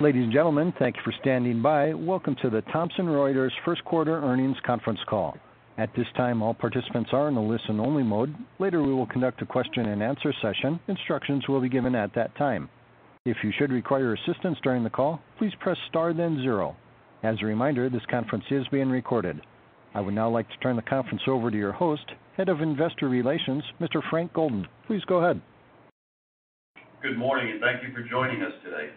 Ladies and gentlemen, thank you for standing by. Welcome to the Thomson Reuters First Quarter Earnings Conference Call. At this time, all participants are in the listen-only mode. Later, we will conduct a question-and-answer session. Instructions will be given at that time. If you should require assistance during the call, please press star then zero. As a reminder, this conference is being recorded. I would now like to turn the conference over to your host, Head of Investor Relations, Mr. Frank Golden. Please go ahead. Good morning, and thank you for joining us today.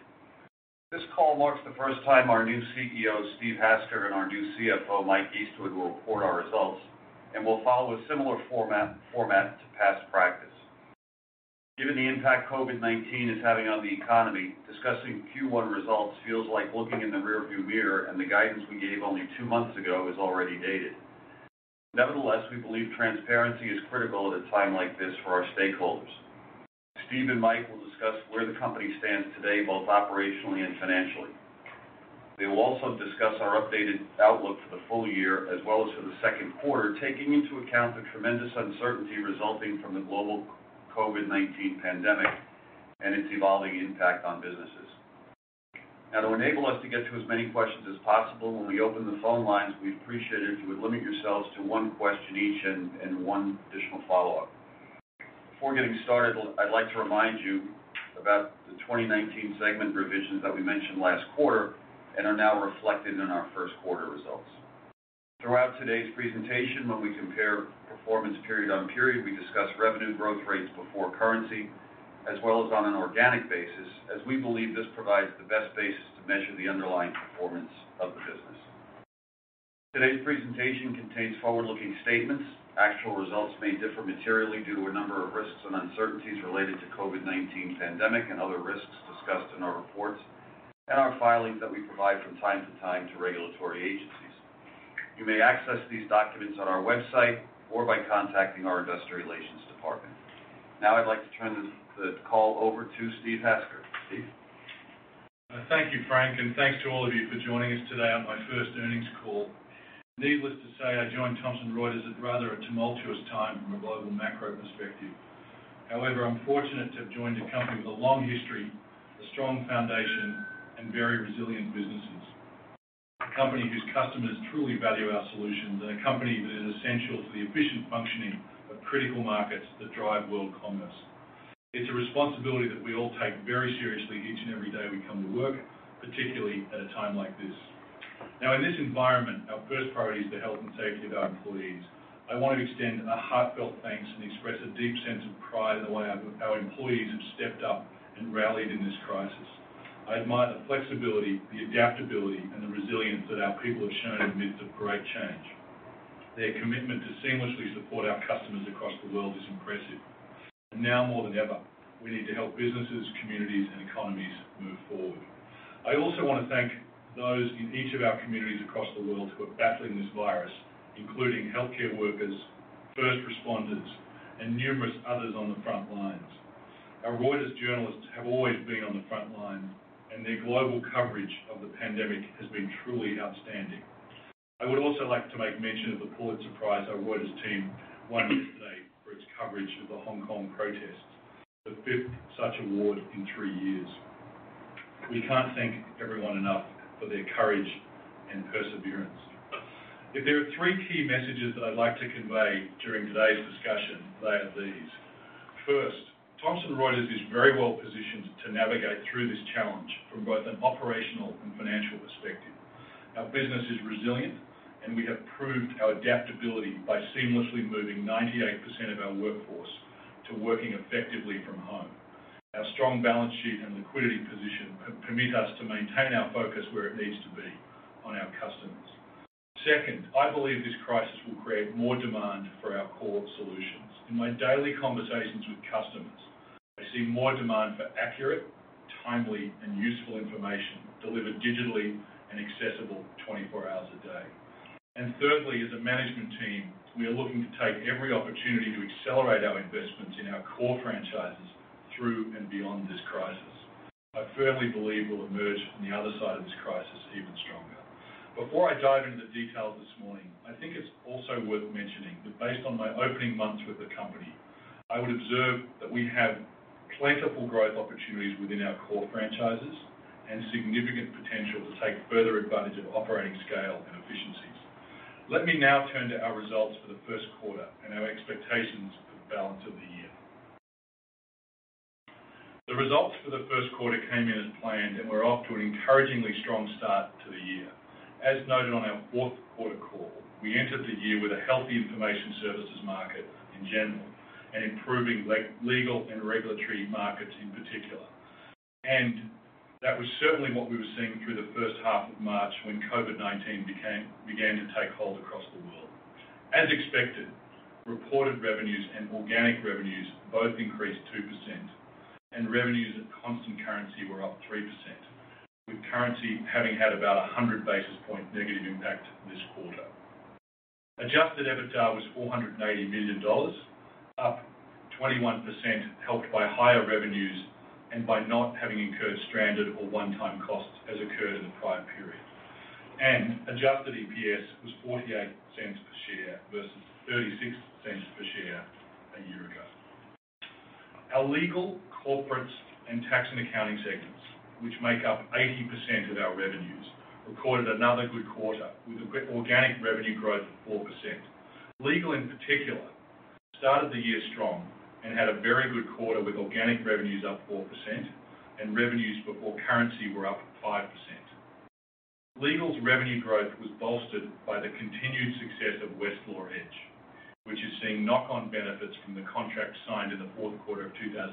This call marks the first time our new CEO, Steve Hasker, and our new CFO, Mike Eastwood, will report our results, and we'll follow a similar format to past practice. Given the impact COVID-19 is having on the economy, discussing Q1 results feels like looking in the rearview mirror, and the guidance we gave only two months ago is already dated. Nevertheless, we believe transparency is critical at a time like this for our stakeholders. Steve and Mike will discuss where the company stands today, both operationally and financially. They will also discuss our updated outlook for the full year as well as for the second quarter, taking into account the tremendous uncertainty resulting from the global COVID-19 pandemic and its evolving impact on businesses. Now, to enable us to get to as many questions as possible, when we open the phone lines, we'd appreciate it if you would limit yourselves to one question each and one additional follow-up. Before getting started, I'd like to remind you about the 2019 segment revisions that we mentioned last quarter and are now reflected in our first quarter results. Throughout today's presentation, when we compare performance period on period, we discuss revenue growth rates before currency, as well as on an organic basis, as we believe this provides the best basis to measure the underlying performance of the business. Today's presentation contains forward-looking statements. Actual results may differ materially due to a number of risks and uncertainties related to the COVID-19 pandemic and other risks discussed in our reports and our filings that we provide from time to time to regulatory agencies. You may access these documents on our website or by contacting our Investor Relations Department. Now, I'd like to turn the call over to Steve Hasker. Steve? Thank you, Frank, and thanks to all of you for joining us today on my first earnings call. Needless to say, I joined Thomson Reuters at rather a tumultuous time from a global macro perspective. However, I'm fortunate to have joined a company with a long history, a strong foundation, and very resilient businesses. A company whose customers truly value our solutions and a company that is essential to the efficient functioning of critical markets that drive world commerce. It's a responsibility that we all take very seriously each and every day we come to work, particularly at a time like this. Now, in this environment, our first priority is the health and safety of our employees. I want to extend a heartfelt thanks and express a deep sense of pride in the way our employees have stepped up and rallied in this crisis. I admire the flexibility, the adaptability, and the resilience that our people have shown amidst great change. Their commitment to seamlessly support our customers across the world is impressive. Now more than ever, we need to help businesses, communities, and economies move forward. I also want to thank those in each of our communities across the world who are battling this virus, including healthcare workers, first responders, and numerous others on the front lines. Our Reuters journalists have always been on the front lines, and their global coverage of the pandemic has been truly outstanding. I would also like to make mention of the Pulitzer Prize our Reuters team won yesterday for its coverage of the Hong Kong protests, the fifth such award in three years. We can't thank everyone enough for their courage and perseverance. If there are three key messages that I'd like to convey during today's discussion, they are these. First, Thomson Reuters is very well positioned to navigate through this challenge from both an operational and financial perspective. Our business is resilient, and we have proved our adaptability by seamlessly moving 98% of our workforce to working effectively from home. Our strong balance sheet and liquidity position permit us to maintain our focus where it needs to be on our customers. Second, I believe this crisis will create more demand for our core solutions. In my daily conversations with customers, I see more demand for accurate, timely, and useful information delivered digitally and accessible 24 hours a day. And thirdly, as a Management Team, we are looking to take every opportunity to accelerate our investments in our core franchises through and beyond this crisis. I firmly believe we'll emerge on the other side of this crisis even stronger. Before I dive into the details this morning, I think it's also worth mentioning that based on my opening months with the company, I would observe that we have plentiful growth opportunities within our core franchises and significant potential to take further advantage of operating scale and efficiencies. Let me now turn to our results for the first quarter and our expectations for the balance of the year. The results for the first quarter came in as planned and were off to an encouragingly strong start to the year. As noted on our fourth quarter call, we entered the year with a healthy information services market in general and improving legal and regulatory markets in particular. And that was certainly what we were seeing through the first half of March when COVID-19 began to take hold across the world. As expected, reported revenues and organic revenues both increased 2%, and revenues at constant currency were up 3%, with currency having had about 100 basis points negative impact this quarter. Adjusted EBITDA was $480 million, up 21%, helped by higher revenues and by not having incurred stranded or one-time costs as occurred in the prior period. And adjusted EPS was $0.48 per share versus $0.36 per share a year ago. Our Legal, Corporate, and Tax & Accounting segments, which make up 80% of our revenues, recorded another good quarter with organic revenue growth of 4%. Legal, in particular, started the year strong and had a very good quarter with organic revenues up 4% and revenues before currency were up 5%. Legal's revenue growth was bolstered by the continued success of Westlaw Edge, which is seeing knock-on benefits from the contract signed in the fourth quarter of 2019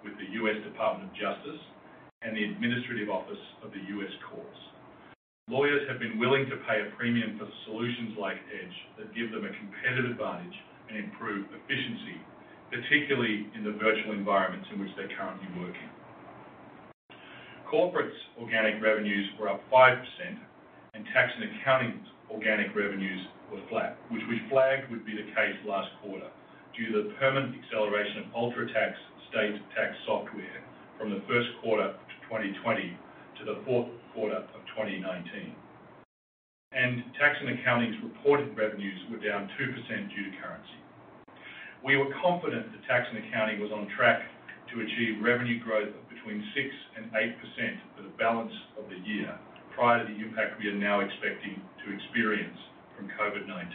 with the U.S. Department of Justice and the Administrative Office of the U.S. Courts. Lawyers have been willing to pay a premium for solutions like Edge that give them a competitive advantage and improve efficiency, particularly in the virtual environments in which they're currently working. Corporate's organic revenues were up 5%, and tax and accounting's organic revenues were flat, which we flagged would be the case last quarter due to the permanent acceleration of. state tax software from the first quarter of 2020 to the fourth quarter of 2019. Tax and accounting's reported revenues were down 2% due to currency. We were confident that tax and accounting was on track to achieve revenue growth of between 6% and 8% for the balance of the year prior to the impact we are now expecting to experience from COVID-19.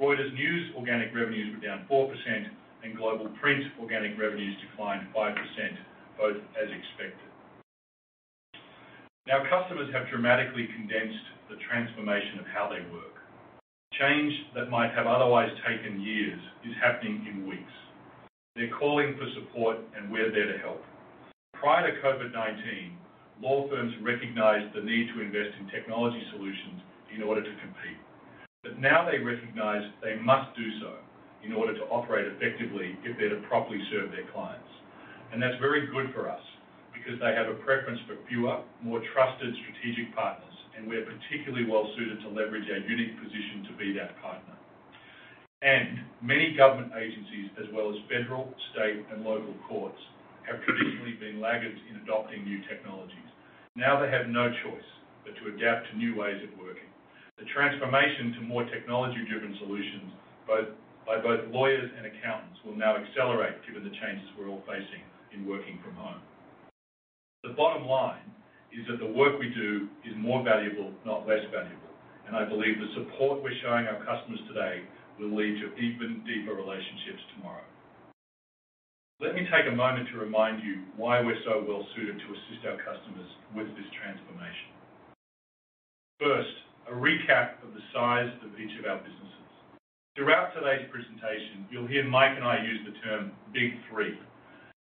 Reuters News organic revenues were down 4%, and Global Print organic revenues declined 5%, both as expected. Now, customers have dramatically condensed the transformation of how they work. Change that might have otherwise taken years is happening in weeks. They're calling for support, and we're there to help. Prior to COVID-19, law firms recognized the need to invest in technology solutions in order to compete, but now they recognize they must do so in order to operate effectively if they're to properly serve their clients. That's very good for us because they have a preference for fewer, more trusted strategic partners, and we're particularly well suited to leverage our unique position to be that partner. Many government agencies, as well as federal, state, and local courts, have traditionally been laggards in adopting new technologies. Now they have no choice but to adapt to new ways of working. The transformation to more technology-driven solutions by both lawyers and accountants will now accelerate given the changes we're all facing in working from home. The bottom line is that the work we do is more valuable, not less valuable. I believe the support we're showing our customers today will lead to even deeper relationships tomorrow. Let me take a moment to remind you why we're so well suited to assist our customers with this transformation. First, a recap of the size of each of our businesses. Throughout today's presentation, you'll hear Mike and I use the term Big Three.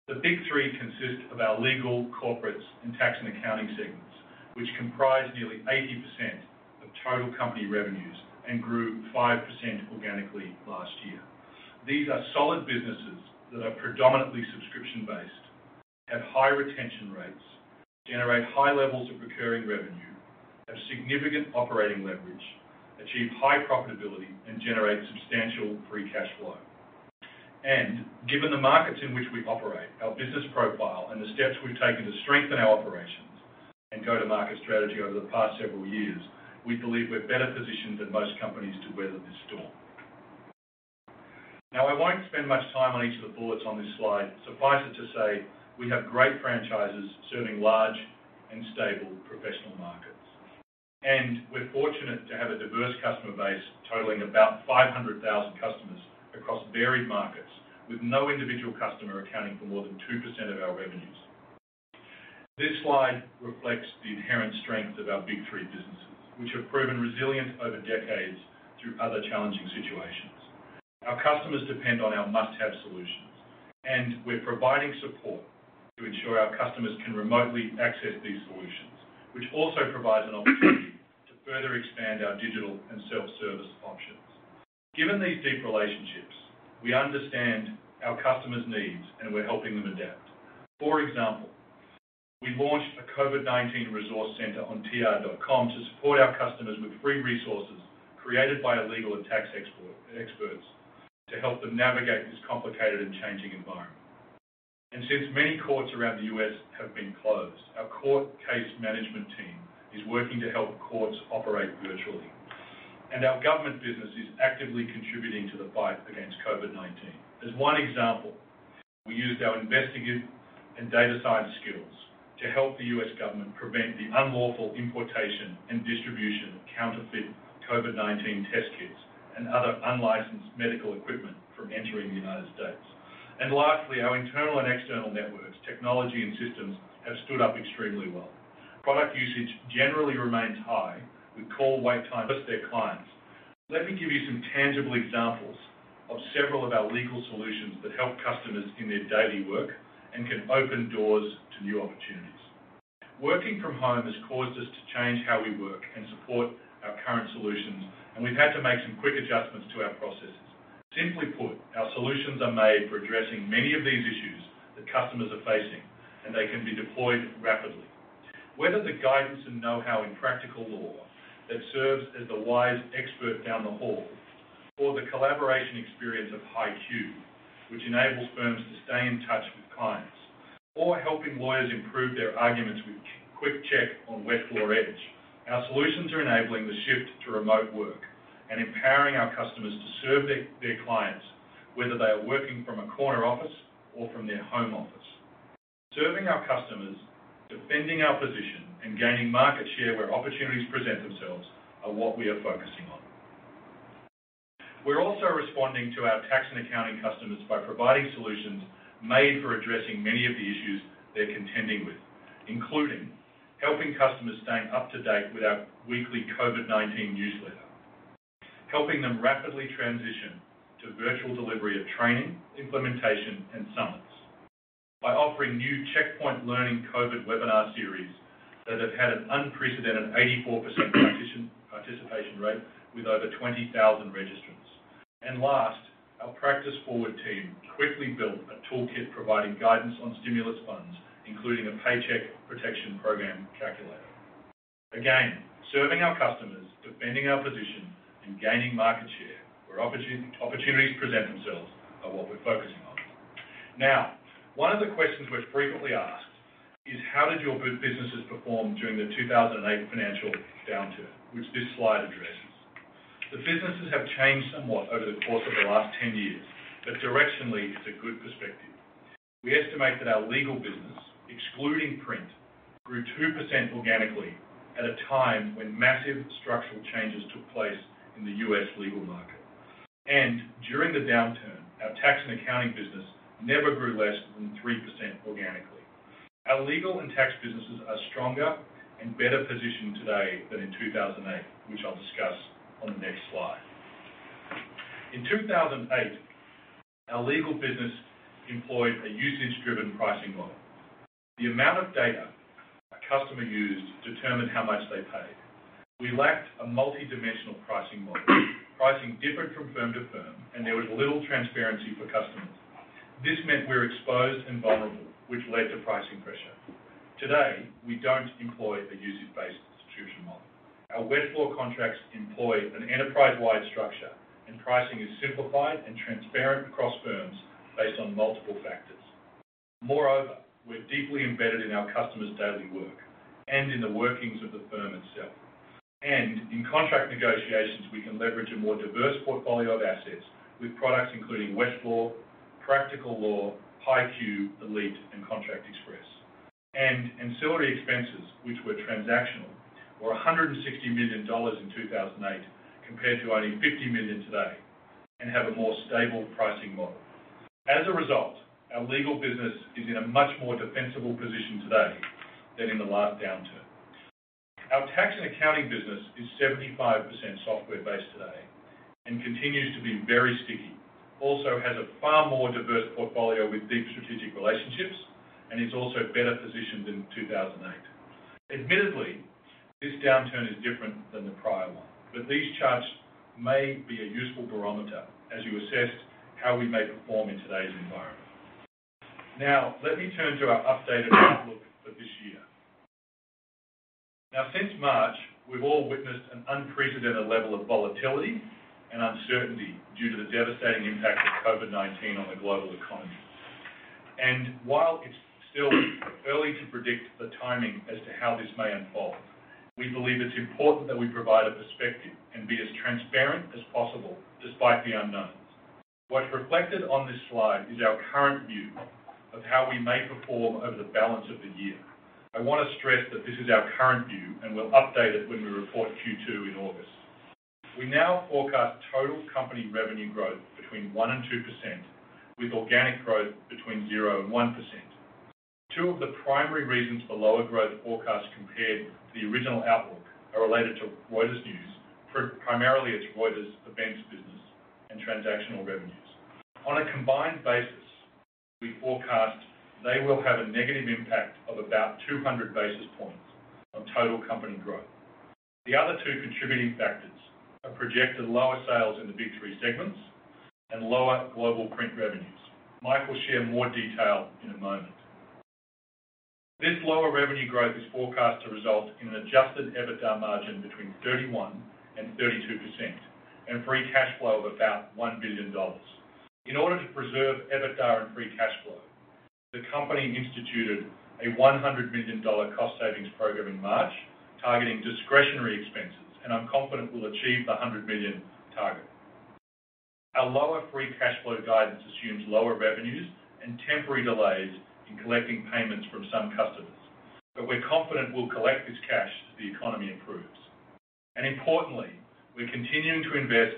The Big Three consist of our legal, corporate, and tax and accounting segments, which comprise nearly 80% of total company revenues and grew 5% organically last year. These are solid businesses that are predominantly subscription-based, have high retention rates, generate high levels of recurring revenue, have significant operating leverage, achieve high profitability, and generate substantial free cash flow. And given the markets in which we operate, our business profile, and the steps we've taken to strengthen our operations and go-to-market strategy over the past several years, we believe we're better positioned than most companies to weather this storm. Now, I won't spend much time on each of the bullets on this slide. Suffice it to say, we have great franchises serving large and stable professional markets. We're fortunate to have a diverse customer base totaling about 500,000 customers across varied markets, with no individual customer accounting for more than 2% of our revenues. This slide reflects the inherent strength of our Big Three businesses, which have proven resilient over decades through other challenging situations. Our customers depend on our must-have solutions, and we're providing support to ensure our customers can remotely access these solutions, which also provides an opportunity to further expand our digital and self-service options. Given these deep relationships, we understand our customers' needs, and we're helping them adapt. For example, we launched a COVID-19 resource center on tr.com to support our customers with free resources created by our legal and tax experts to help them navigate this complicated and changing environment. Since many courts around the U.S. have been closed, our court case management team is working to help courts operate virtually. Our government business is actively contributing to the fight against COVID-19. As one example, we used our investigative and data science skills to help the U.S. government prevent the unlawful importation and distribution of counterfeit COVID-19 test kits and other unlicensed medical equipment from entering the United States. Lastly, our internal and external networks, technology, and systems have stood up extremely well. Product usage generally remains high, with call wait times among their clients. Let me give you some tangible examples of several of our legal solutions that help customers in their daily work and can open doors to new opportunities. Working from home has caused us to change how we work and support our current solutions, and we've had to make some quick adjustments to our processes. Simply put, our solutions are made for addressing many of these issues that customers are facing, and they can be deployed rapidly. Whether the guidance and know-how in Practical Law that serves as the wise expert down the hall, or the collaboration experience of HighQ, which enables firms to stay in touch with clients, or helping lawyers improve their arguments with Quick Check on Westlaw Edge, our solutions are enabling the shift to remote work and empowering our customers to serve their clients, whether they are working from a corner office or from their home office. Serving our customers, defending our position, and gaining market share where opportunities present themselves are what we are focusing on. We're also responding to our tax and accounting customers by providing solutions made for addressing many of the issues they're contending with, including helping customers stay up to date with our weekly COVID-19 newsletter, helping them rapidly transition to virtual delivery of training, implementation, and summits by offering new Checkpoint Learning COVID webinar series that have had an unprecedented 84% participation rate with over 20,000 registrants, and last, our Practice Forward team quickly built a toolkit providing guidance on stimulus funds, including a Paycheck Protection Program calculator. Again, serving our customers, defending our position, and gaining market share where opportunities present themselves are what we're focusing on. Now, one of the questions we're frequently asked is, how did your businesses perform during the 2008 Financial Downturn, which this slide addresses? The businesses have changed somewhat over the course of the last 10 years, but directionally, it's a good perspective. We estimate that our legal business, excluding print, grew 2% organically at a time when massive structural changes took place in the U.S. legal market. During the downturn, our tax and accounting business never grew less than 3% organically. Our legal and tax businesses are stronger and better positioned today than in 2008, which I'll discuss on the next slide. In 2008, our legal business employed a usage-driven pricing model. The amount of data a customer used determined how much they paid. We lacked a multidimensional pricing model. Pricing differed from firm to firm, and there was little transparency for customers. This meant we were exposed and vulnerable, which led to pricing pressure. Today, we don't employ a usage-based distribution model. Our Westlaw contracts employ an enterprise-wide structure, and pricing is simplified and transparent across firms based on multiple factors. Moreover, we're deeply embedded in our customers' daily work and in the workings of the firm itself, and in contract negotiations, we can leverage a more diverse portfolio of assets with products including Westlaw, Practical Law, HighQ, Elite, and Contract Express, and ancillary expenses, which were transactional, were $160 million in 2008 compared to only $50 million today, and have a more stable pricing model. As a result, our legal business is in a much more defensible position today than in the last downturn. Our tax and accounting business is 75% software-based today and continues to be very sticky. It also has a far more diverse portfolio with deep strategic relationships and is also better positioned than 2008. Admittedly, this downturn is different than the prior one, but these charts may be a useful barometer as you assess how we may perform in today's environment. Now, let me turn to our updated outlook for this year. Now, since March, we've all witnessed an unprecedented level of volatility and uncertainty due to the devastating impact of COVID-19 on the global economy. And while it's still early to predict the timing as to how this may unfold, we believe it's important that we provide a perspective and be as transparent as possible despite the unknowns. What's reflected on this slide is our current view of how we may perform over the balance of the year. I want to stress that this is our current view, and we'll update it when we report Q2 in August. We now forecast total company revenue growth between 1% and 2%, with organic growth between 0% and 1%. Two of the primary reasons for lower growth forecasts compared to the original outlook are related to Reuters News, primarily its Reuters Events business and transactional revenues. On a combined basis, we forecast they will have a negative impact of about 200 basis points on total company growth. The other two contributing factors are projected lower sales in the Big Three segments and lower global print revenues. Mike will share more detail in a moment. This lower revenue growth is forecast to result in an Adjusted EBITDA margin between 31% and 32% and free cash flow of about $1 billion. In order to preserve EBITDA and free cash flow, the company instituted a $100 million cost savings program in March targeting discretionary expenses, and I'm confident we'll achieve the $100 million target. Our lower free cash flow guidance assumes lower revenues and temporary delays in collecting payments from some customers. But we're confident we'll collect this cash as the economy improves. And importantly, we're continuing to invest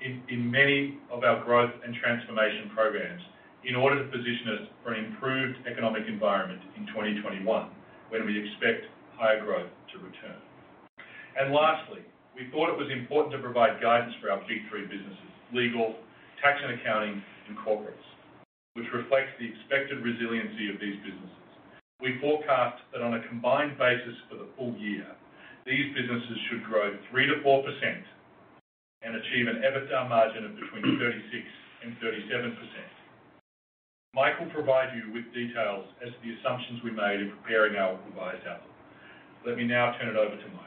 in many of our growth and transformation programs in order to position us for an improved economic environment in 2021 when we expect higher growth to return. And lastly, we thought it was important to provide guidance for our Big Three businesses: Legal, Tax and Accounting, and Corporates, which reflects the expected resiliency of these businesses. We forecast that on a combined basis for the full year, these businesses should grow 3%-4% and achieve an EBITDA margin of between 36% and 37%. Mike will provide you with details as to the assumptions we made in preparing our revised outlook. Let me now turn it over to Mike.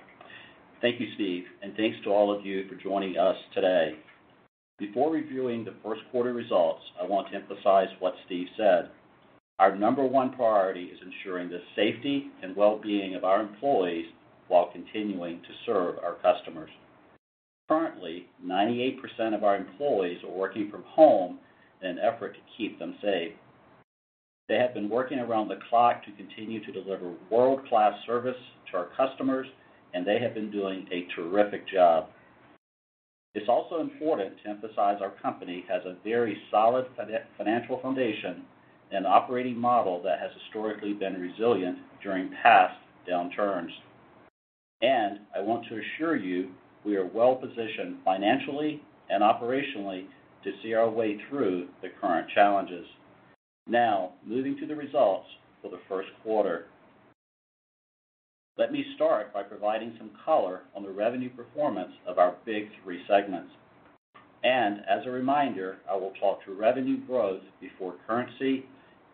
Thank you, Steve. And thanks to all of you for joining us today. Before reviewing the first quarter results, I want to emphasize what Steve said. Our number one priority is ensuring the safety and well-being of our employees while continuing to serve our customers. Currently, 98% of our employees are working from home in an effort to keep them safe. They have been working around the clock to continue to deliver world-class service to our customers, and they have been doing a terrific job. It's also important to emphasize our company has a very solid financial foundation and operating model that has historically been resilient during past downturns. And I want to assure you we are well-positioned financially and operationally to see our way through the current challenges. Now, moving to the results for the first quarter. Let me start by providing some color on the revenue performance of our Big Three segments. And as a reminder, I will talk through revenue growth before currency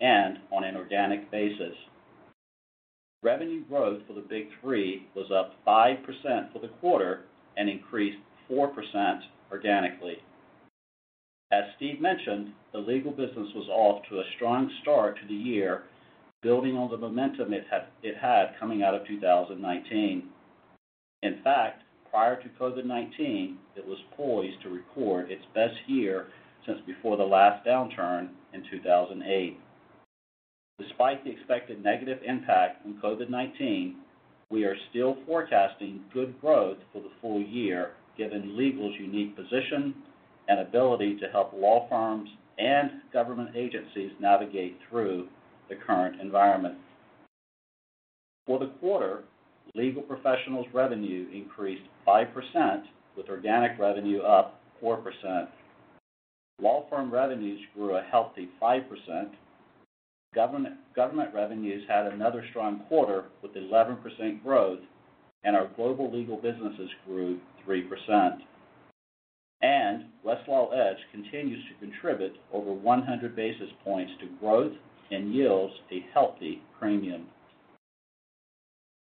and on an organic basis. Revenue growth for the Big Three was up 5% for the quarter and increased 4% organically. As Steve mentioned, the legal business was off to a strong start to the year, building on the momentum it had coming out of 2019. In fact, prior to COVID-19, it was poised to record its best year since before the last downturn in 2008. Despite the expected negative impact from COVID-19, we are still forecasting good growth for the full year given legal's unique position and ability to help law firms and government agencies navigate through the current environment. For the quarter, Legal Professionals' revenue increased 5%, with organic revenue up 4%. Law firm revenues grew a healthy 5%. Government revenues had another strong quarter with 11% growth, and our global legal businesses grew 3%, and Westlaw Edge continues to contribute over 100 basis points to growth and yields a healthy premium.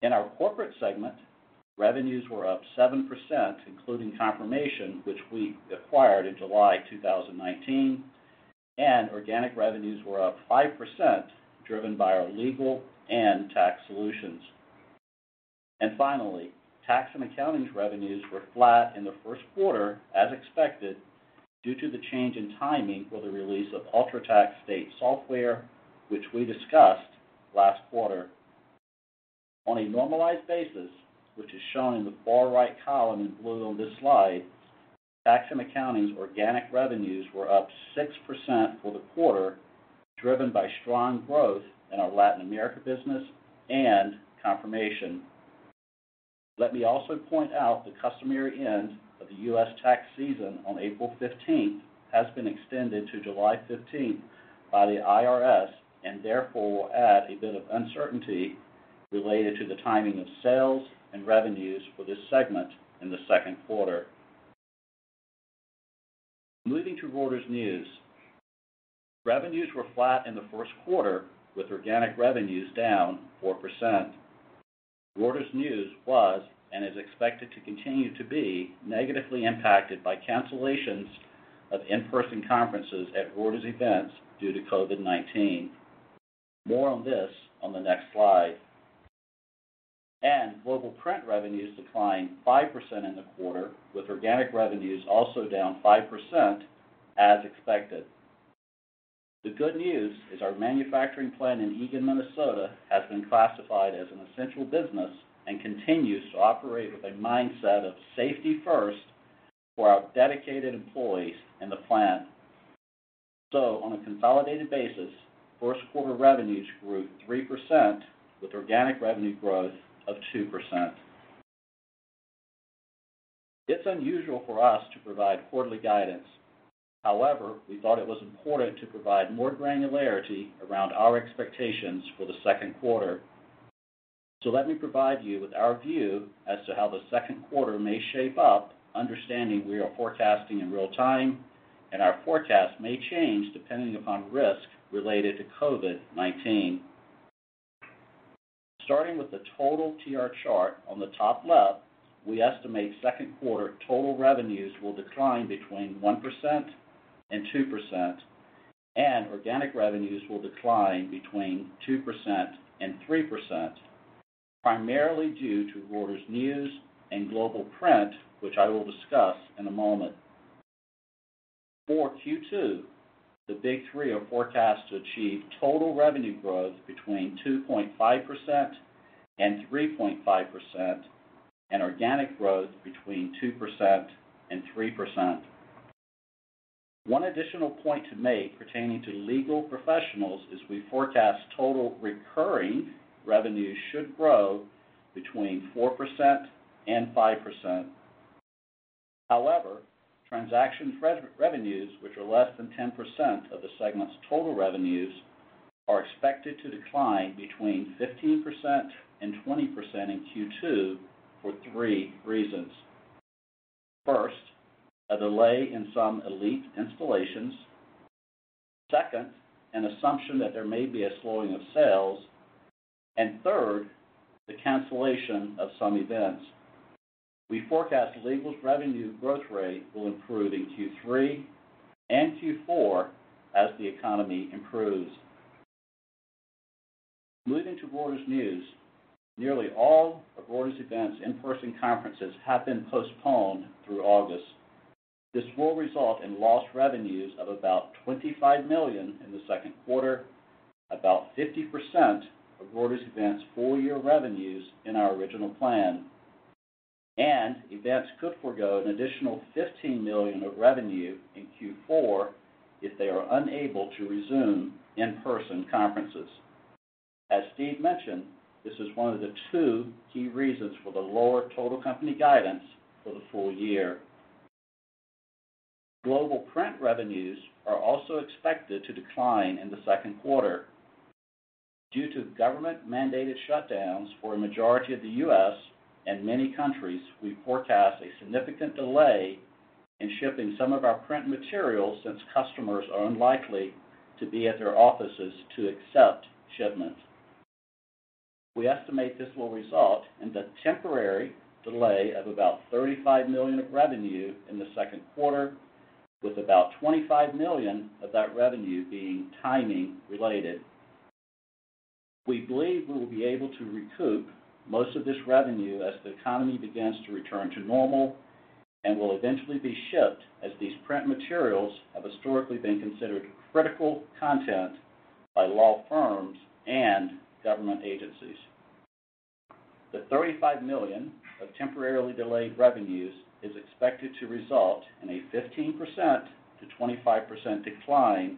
In our corporate segment, revenues were up 7%, including Confirmation, which we acquired in July 2019, and organic revenues were up 5%, driven by our legal and tax solutions, and finally, tax and accounting revenues were flat in the first quarter, as expected, due to the change in timing for the release of UltraTax State Software, which we discussed last quarter. On a normalized basis, which is shown in the far right column in blue on this slide, tax and accounting's organic revenues were up 6% for the quarter, driven by strong growth in our Latin America business and Confirmation. Let me also point out the customary end of the U.S. tax season on April 15th has been extended to July 15th by the IRS, and therefore will add a bit of uncertainty related to the timing of sales and revenues for this segment in the second quarter. Moving to Reuters News. Revenues were flat in the first quarter, with organic revenues down 4%. Reuters News was and is expected to continue to be negatively impacted by cancellations of in-person conferences at Reuters Events due to COVID-19. More on this on the next slide. And global print revenues declined 5% in the quarter, with organic revenues also down 5%, as expected. The good news is our manufacturing plant in Eagan, Minnesota, has been classified as an essential business and continues to operate with a mindset of safety first for our dedicated employees in the plant. On a consolidated basis, first quarter revenues grew 3%, with organic revenue growth of 2%. It's unusual for us to provide quarterly guidance. However, we thought it was important to provide more granularity around our expectations for the second quarter. So let me provide you with our view as to how the second quarter may shape up, understanding we are forecasting in real time, and our forecast may change depending upon risk related to COVID-19. Starting with the total TR chart on the top left, we estimate second quarter total revenues will decline between 1% and 2%, and organic revenues will decline between 2% and 3%, primarily due to Reuters News and Global Print, which I will discuss in a moment. For Q2, the Big Three are forecast to achieve total revenue growth between 2.5% and 3.5%, and organic growth between 2% and 3%. One additional point to make pertaining to legal professionals is we forecast total recurring revenues should grow between 4% and 5%. However, transaction revenues, which are less than 10% of the segment's total revenues, are expected to decline between 15% and 20% in Q2 for three reasons. First, a delay in some Elite installations. Second, an assumption that there may be a slowing of sales. And third, the cancellation of some events. We forecast legal revenue growth rate will improve in Q3 and Q4 as the economy improves. Moving to Reuters News, nearly all of Reuters Events' in-person conferences have been postponed through August. This will result in lost revenues of about $25 million in the second quarter, about 50% of Reuters Events' full-year revenues in our original plan. And events could forgo an additional $15 million of revenue in Q4 if they are unable to resume in-person conferences. As Steve mentioned, this is one of the two key reasons for the lower total company guidance for the full year. Global Print revenues are also expected to decline in the second quarter. Due to government-mandated shutdowns for a majority of the U.S. and many countries, we forecast a significant delay in shipping some of our print materials since customers are unlikely to be at their offices to accept shipments. We estimate this will result in the temporary delay of about $35 million of revenue in the second quarter, with about $25 million of that revenue being timing-related. We believe we will be able to recoup most of this revenue as the economy begins to return to normal and will eventually be shipped as these print materials have historically been considered critical content by law firms and government agencies. The $35 million of temporarily delayed revenues is expected to result in a 15%-25% decline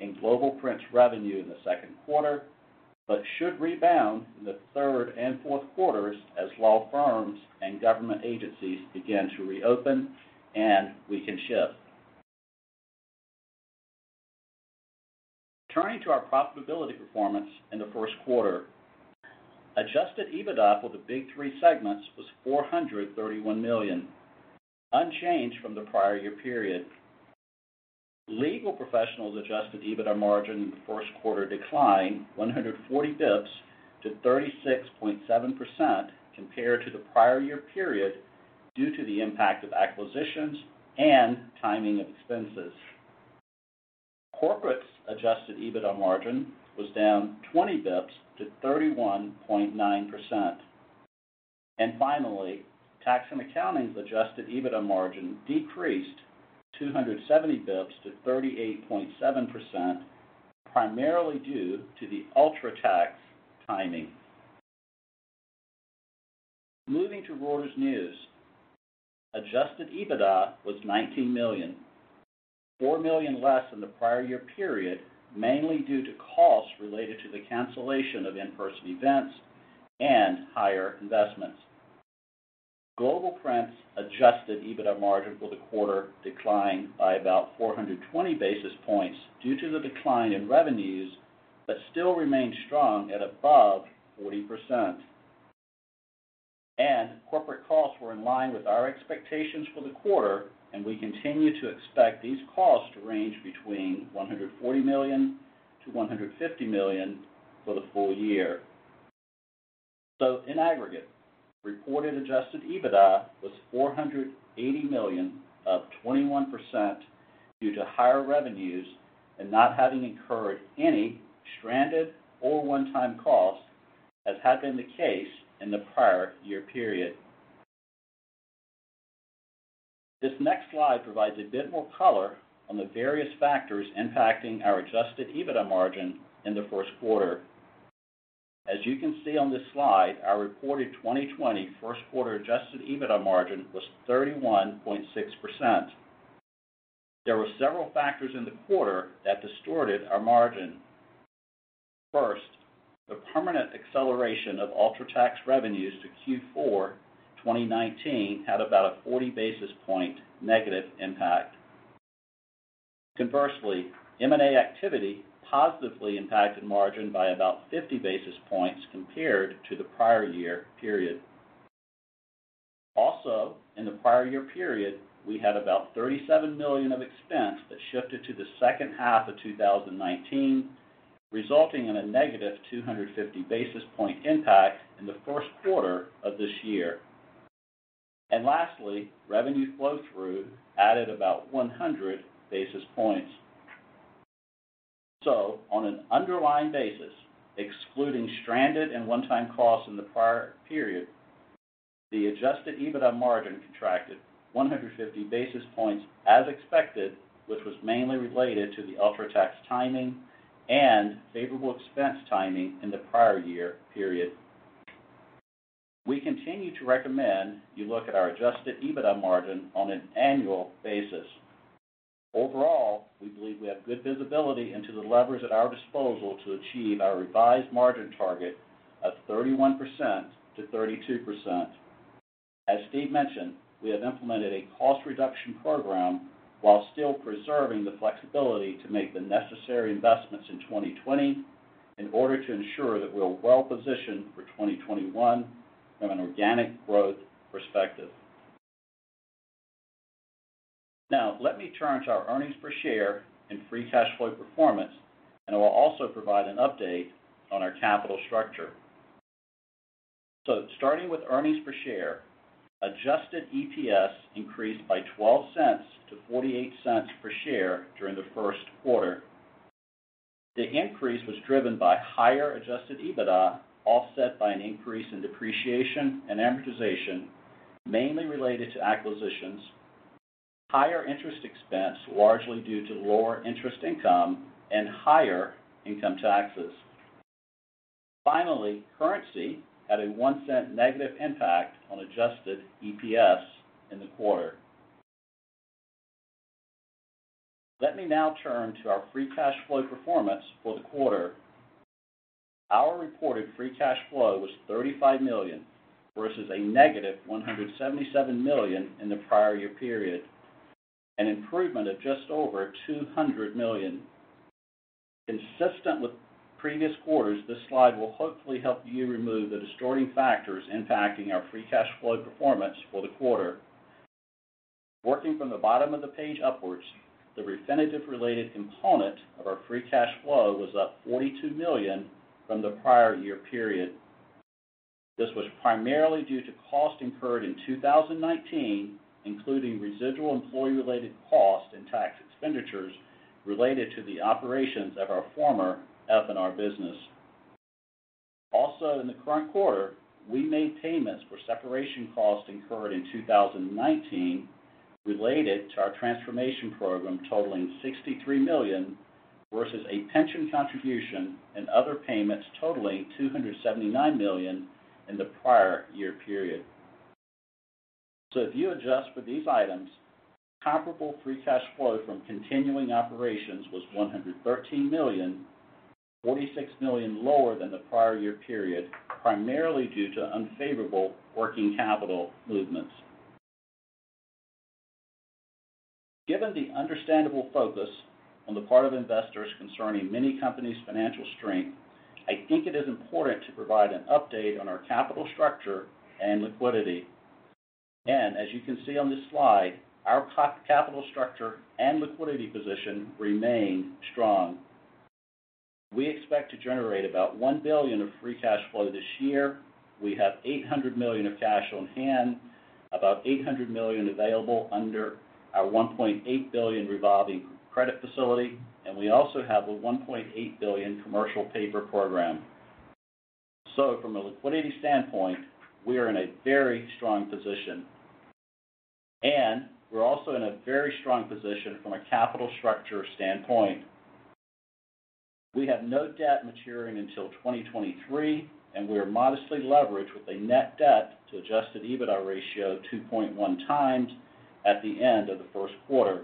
in global print revenue in the second quarter, but should rebound in the third and fourth quarters as law firms and government agencies begin to reopen and we can shift. Turning to our profitability performance in the first quarter, adjusted EBITDA for the Big Three segments was $431 million, unchanged from the prior year period. Legal professionals' adjusted EBITDA margin in the first quarter declined 140 basis points to 36.7% compared to the prior year period due to the impact of acquisitions and timing of expenses. Corporates' adjusted EBITDA margin was down 20 basis points to 31.9%. And finally, Tax and Accounting's adjusted EBITDA margin decreased 270 basis points to 38.7%, primarily due to the UltraTax timing. Moving to Reuters News, adjusted EBITDA was $19 million, $4 million less than the prior year period, mainly due to costs related to the cancellation of in-person events and higher investments. Global Print's adjusted EBITDA margin for the quarter declined by about 420 basis points due to the decline in revenues, but still remained strong at above 40%. Corporate costs were in line with our expectations for the quarter, and we continue to expect these costs to range between $140 million-$150 million for the full year. In aggregate, reported adjusted EBITDA was $480 million, up 21% due to higher revenues and not having incurred any stranded or one-time costs, as had been the case in the prior year period. This next slide provides a bit more color on the various factors impacting our adjusted EBITDA margin in the first quarter. As you can see on this slide, our reported 2020 first quarter adjusted EBITDA margin was 31.6%. There were several factors in the quarter that distorted our margin. First, the permanent acceleration of UltraTax revenues to Q4 2019 had about a 40 basis points negative impact. Conversely, M&A activity positively impacted margin by about 50 basis points compared to the prior year period. Also, in the prior year period, we had about $37 million of expense that shifted to the second half of 2019, resulting in a negative 250 basis points impact in the first quarter of this year. And lastly, revenue flow-through added about 100 basis points. So on an underlying basis, excluding stranded and one-time costs in the prior period, the adjusted EBITDA margin contracted 150 basis points as expected, which was mainly related to the UltraTax timing and favorable expense timing in the prior year period. We continue to recommend you look at our Adjusted EBITDA margin on an annual basis. Overall, we believe we have good visibility into the levers at our disposal to achieve our revised margin target of 31%-32%. As Steve mentioned, we have implemented a cost reduction program while still preserving the flexibility to make the necessary investments in 2020 in order to ensure that we're well-positioned for 2021 from an organic growth perspective. Now, let me turn to our earnings per share and free cash flow performance, and I will also provide an update on our capital structure. So starting with earnings per share, Adjusted EPS increased by $0.12-$0.48 per share during the first quarter. The increase was driven by higher Adjusted EBITDA offset by an increase in depreciation and amortization, mainly related to acquisitions, higher interest expense largely due to lower interest income, and higher income taxes. Finally, currency had a $0.01 negative impact on Adjusted EPS in the quarter. Let me now turn to our free cash flow performance for the quarter. Our reported free cash flow was $35 million versus a negative $177 million in the prior year period, an improvement of just over $200 million. Consistent with previous quarters, this slide will hopefully help you remove the distorting factors impacting our free cash flow performance for the quarter. Working from the bottom of the page upwards, the Refinitiv-related component of our free cash flow was up $42 million from the prior year period. This was primarily due to costs incurred in 2019, including residual employee-related costs and tax expenditures related to the operations of our former F&R business. Also, in the current quarter, we made payments for separation costs incurred in 2019 related to our transformation program totaling $63 million versus a pension contribution and other payments totaling $279 million in the prior year period. If you adjust for these items, comparable free cash flow from continuing operations was $113 million, $46 million lower than the prior year period, primarily due to unfavorable working capital movements. Given the understandable focus on the part of investors concerning many companies' financial strength, I think it is important to provide an update on our capital structure and liquidity. As you can see on this slide, our capital structure and liquidity position remain strong. We expect to generate about $1 billion of free cash flow this year. We have $800 million of cash on hand, about $800 million available under our $1.8 billion revolving credit facility, and we also have a $1.8 billion commercial paper program, so from a liquidity standpoint, we are in a very strong position, and we're also in a very strong position from a capital structure standpoint. We have no debt maturing until 2023, and we are modestly leveraged with a net debt to Adjusted EBITDA ratio of 2.1 times at the end of the first quarter,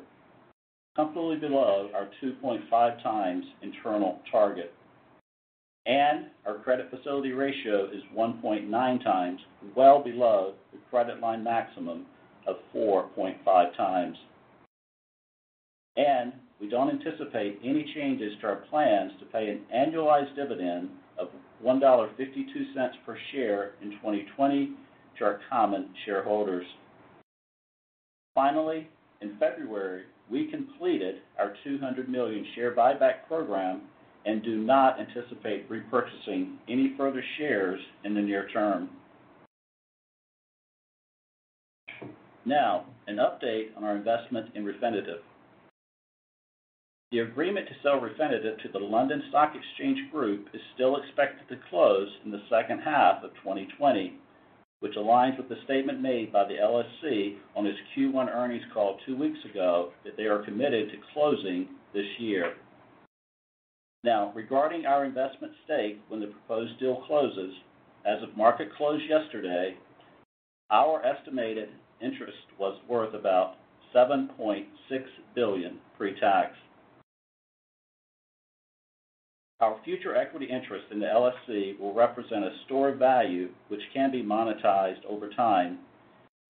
comfortably below our 2.5 times internal target, and our credit facility ratio is 1.9 times, well below the credit line maximum of 4.5 times, and we don't anticipate any changes to our plans to pay an annualized dividend of $1.52 per share in 2020 to our common shareholders. Finally, in February, we completed our $200 million share buyback program and do not anticipate repurchasing any further shares in the near term. Now, an update on our investment in Refinitiv. The agreement to sell Refinitiv to the London Stock Exchange Group is still expected to close in the second half of 2020, which aligns with the statement made by the LSEG on its Q1 earnings call two weeks ago that they are committed to closing this year. Now, regarding our investment stake when the proposed deal closes, as of market close yesterday, our estimated interest was worth about $7.6 billion pre-tax. Our future equity interest in the LSEG will represent a store of value which can be monetized over time,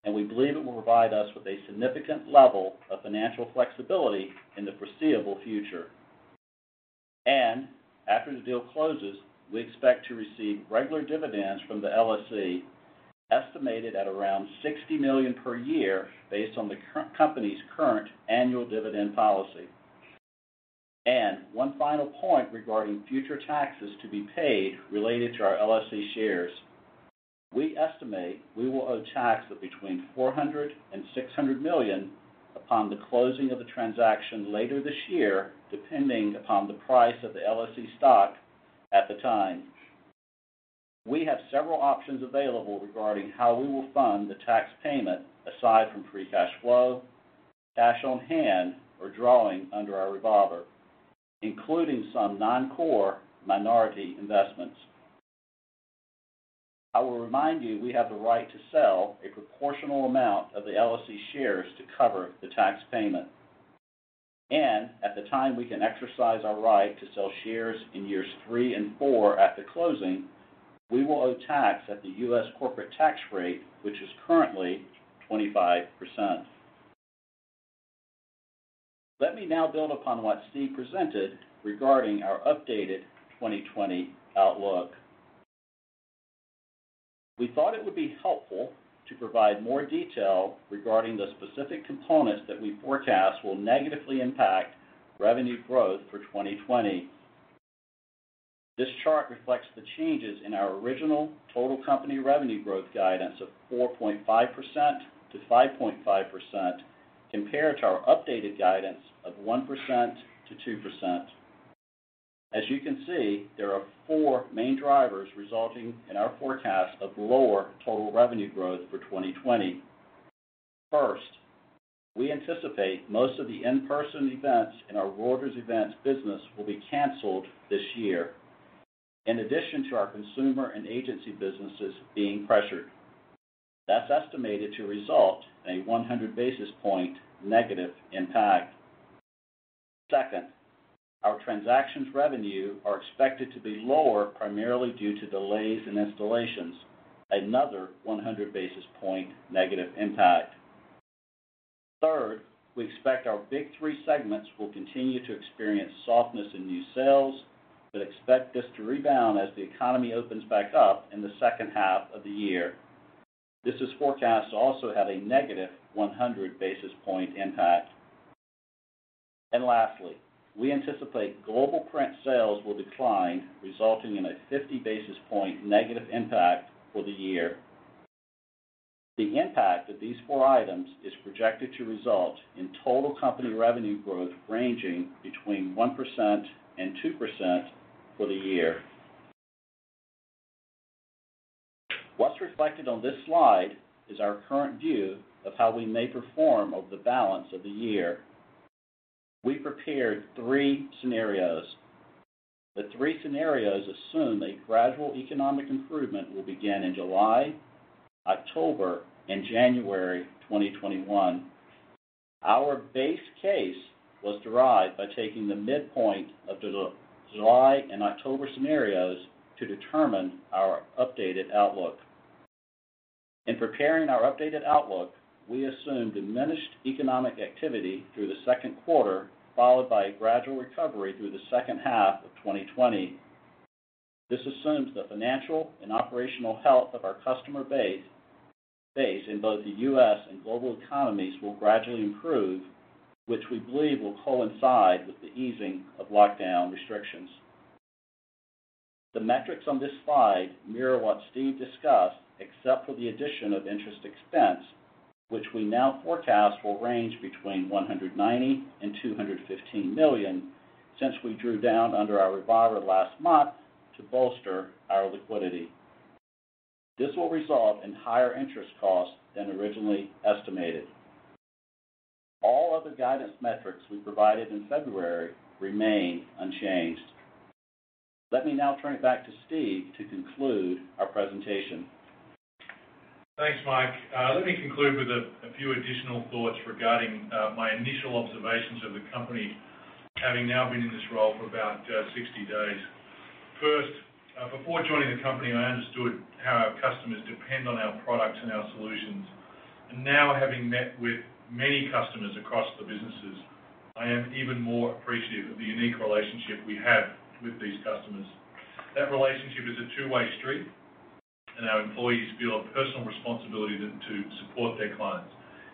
and we believe it will provide us with a significant level of financial flexibility in the foreseeable future. After the deal closes, we expect to receive regular dividends from the LSEG, estimated at around $60 million per year based on the company's current annual dividend policy. One final point regarding future taxes to be paid related to our LSEG shares. We estimate we will owe tax of between $400 million and $600 million upon the closing of the transaction later this year, depending upon the price of the LSEG stock at the time. We have several options available regarding how we will fund the tax payment aside from free cash flow, cash on hand, or drawing under our revolver, including some non-core minority investments. I will remind you we have the right to sell a proportional amount of the LSEG shares to cover the tax payment. At the time we can exercise our right to sell shares in years three and four at the closing, we will owe tax at the U.S. corporate tax rate, which is currently 25%. Let me now build upon what Steve presented regarding our updated 2020 outlook. We thought it would be helpful to provide more detail regarding the specific components that we forecast will negatively impact revenue growth for 2020. This chart reflects the changes in our original total company revenue growth guidance of 4.5%-5.5% compared to our updated guidance of 1%-2%. As you can see, there are four main drivers resulting in our forecast of lower total revenue growth for 2020. First, we anticipate most of the in-person events in our Reuters Events business will be canceled this year, in addition to our consumer and agency businesses being pressured. That's estimated to result in a 100 basis points negative impact. Second, our transactions revenue are expected to be lower primarily due to delays in installations, another 100 basis points negative impact. Third, we expect our Big Three segments will continue to experience softness in new sales, but expect this to rebound as the economy opens back up in the second half of the year. This is forecast to also have a negative 100 basis points impact. And lastly, we anticipate Global Print sales will decline, resulting in a 50 basis points negative impact for the year. The impact of these four items is projected to result in total company revenue growth ranging between 1% and 2% for the year. What's reflected on this slide is our current view of how we may perform over the balance of the year. We prepared three scenarios. The three scenarios assume a gradual economic improvement will begin in July, October, and January 2021. Our base case was derived by taking the midpoint of the July and October scenarios to determine our updated outlook. In preparing our updated outlook, we assume diminished economic activity through the second quarter, followed by a gradual recovery through the second half of 2020. This assumes the financial and operational health of our customer base in both the U.S. and global economies will gradually improve, which we believe will coincide with the easing of lockdown restrictions. The metrics on this slide mirror what Steve discussed, except for the addition of interest expense, which we now forecast will range between $190 million and $215 million since we drew down under our revolver last month to bolster our liquidity. This will result in higher interest costs than originally estimated. All other guidance metrics we provided in February remain unchanged. Let me now turn it back to Steve to conclude our presentation. Thanks, Mike. Let me conclude with a few additional thoughts regarding my initial observations of the company having now been in this role for about 60 days. First, before joining the company, I understood how our customers depend on our products and our solutions. And now, having met with many customers across the businesses, I am even more appreciative of the unique relationship we have with these customers. That relationship is a two-way street, and our employees feel a personal responsibility to support their clients,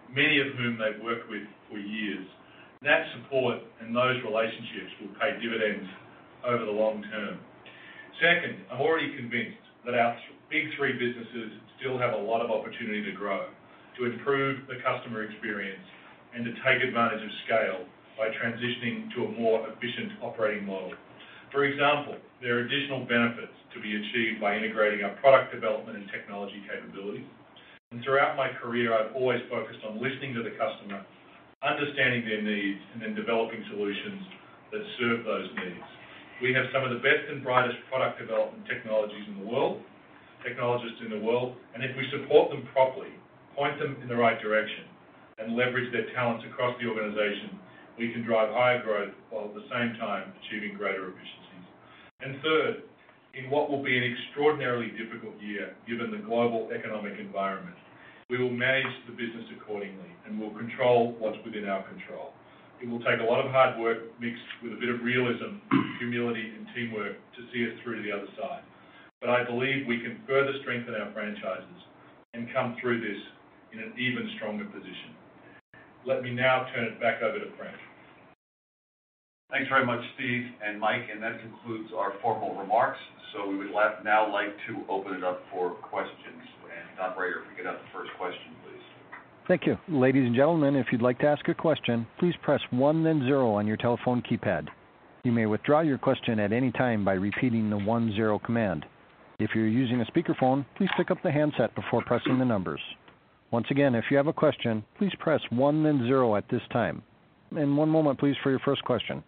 many of whom they've worked with for years. That support and those relationships will pay dividends over the long term. Second, I'm already convinced that our Big Three businesses still have a lot of opportunity to grow, to improve the customer experience, and to take advantage of scale by transitioning to a more efficient operating model. For example, there are additional benefits to be achieved by integrating our product development and technology capabilities. And throughout my career, I've always focused on listening to the customer, understanding their needs, and then developing solutions that serve those needs. We have some of the best and brightest product development technologies in the world, technologists in the world, and if we support them properly, point them in the right direction, and leverage their talents across the organization, we can drive higher growth while at the same time achieving greater efficiencies. And third, in what will be an extraordinarily difficult year given the global economic environment, we will manage the business accordingly and will control what's within our control. It will take a lot of hard work mixed with a bit of realism, humility, and teamwork to see us through to the other side. But I believe we can further strengthen our franchises and come through this in an even stronger position. Let me now turn it back over to Frank. Thanks very much, Steve and Mike, and that concludes our formal remarks. So we would now like to open it up for questions. And operator, if we could have the first question, please. Thank you. Ladies and gentlemen, if you'd like to ask a question, please press one then 0 on your telephone keypad. You may withdraw your question at any time by repeating the one 0 command. If you're using a speakerphone, please pick up the handset before pressing the numbers. Once again, if you have a question, please press one, then 0 at this time. One moment, please, for your first question.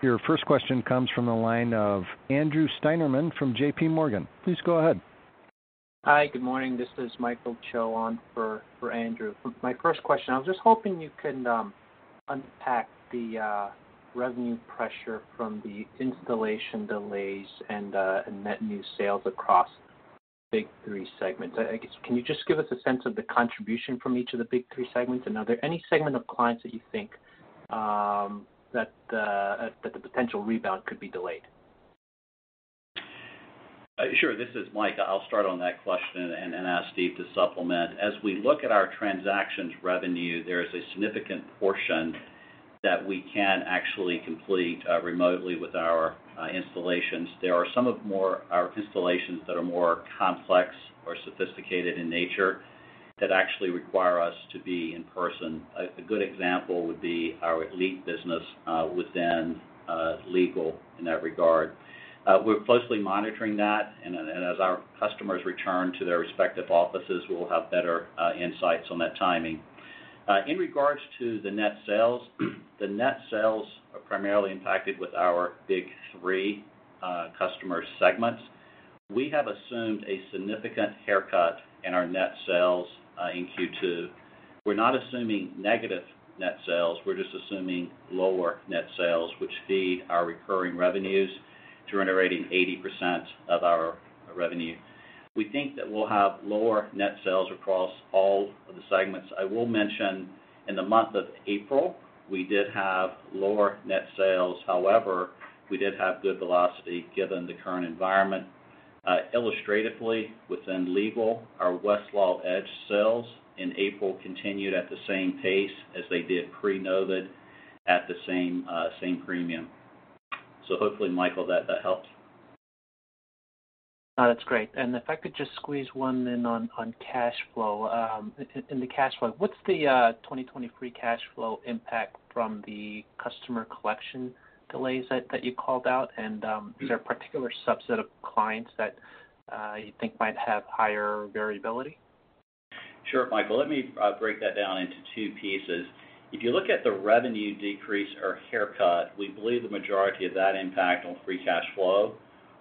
Your first question comes from the line of Andrew Steinerman from JPMorgan. Please go ahead. Hi, good morning. This is Michael Cho on for Andrew. My first question, I was just hoping you could unpack the revenue pressure from the installation delays and net new sales across the Big Three segments. Can you just give us a sense of the contribution from each of the Big Three segments? And are there any segment of clients that you think that the potential rebound could be delayed? Sure. This is Mike. I'll start on that question and ask Steve to supplement. As we look at our transactions revenue, there is a significant portion that we can actually complete remotely with our installations. There are some of our installations that are more complex or sophisticated in nature that actually require us to be in person. A good example would be our Elite business within Legal in that regard. We're closely monitoring that, and as our customers return to their respective offices, we'll have better insights on that timing. In regards to the net sales, the net sales are primarily impacted with our Big Three customer segments. We have assumed a significant haircut in our net sales in Q2. We're not assuming negative net sales. We're just assuming lower net sales, which feed our recurring revenues to generating 80% of our revenue. We think that we'll have lower net sales across all of the segments. I will mention in the month of April, we did have lower net sales. However, we did have good velocity given the current environment. Illustratively, within legal, our Westlaw Edge sales in April continued at the same pace as they did pre-COVID at the same premium. So hopefully, Michael, that helps. That's great. And if I could just squeeze one in on cash flow. In the cash flow, what's the 2023 cash flow impact from the customer collection delays that you called out? And is there a particular subset of clients that you think might have higher variability? Sure, Michael. Let me break that down into two pieces. If you look at the revenue decrease or haircut, we believe the majority of that impact on free cash flow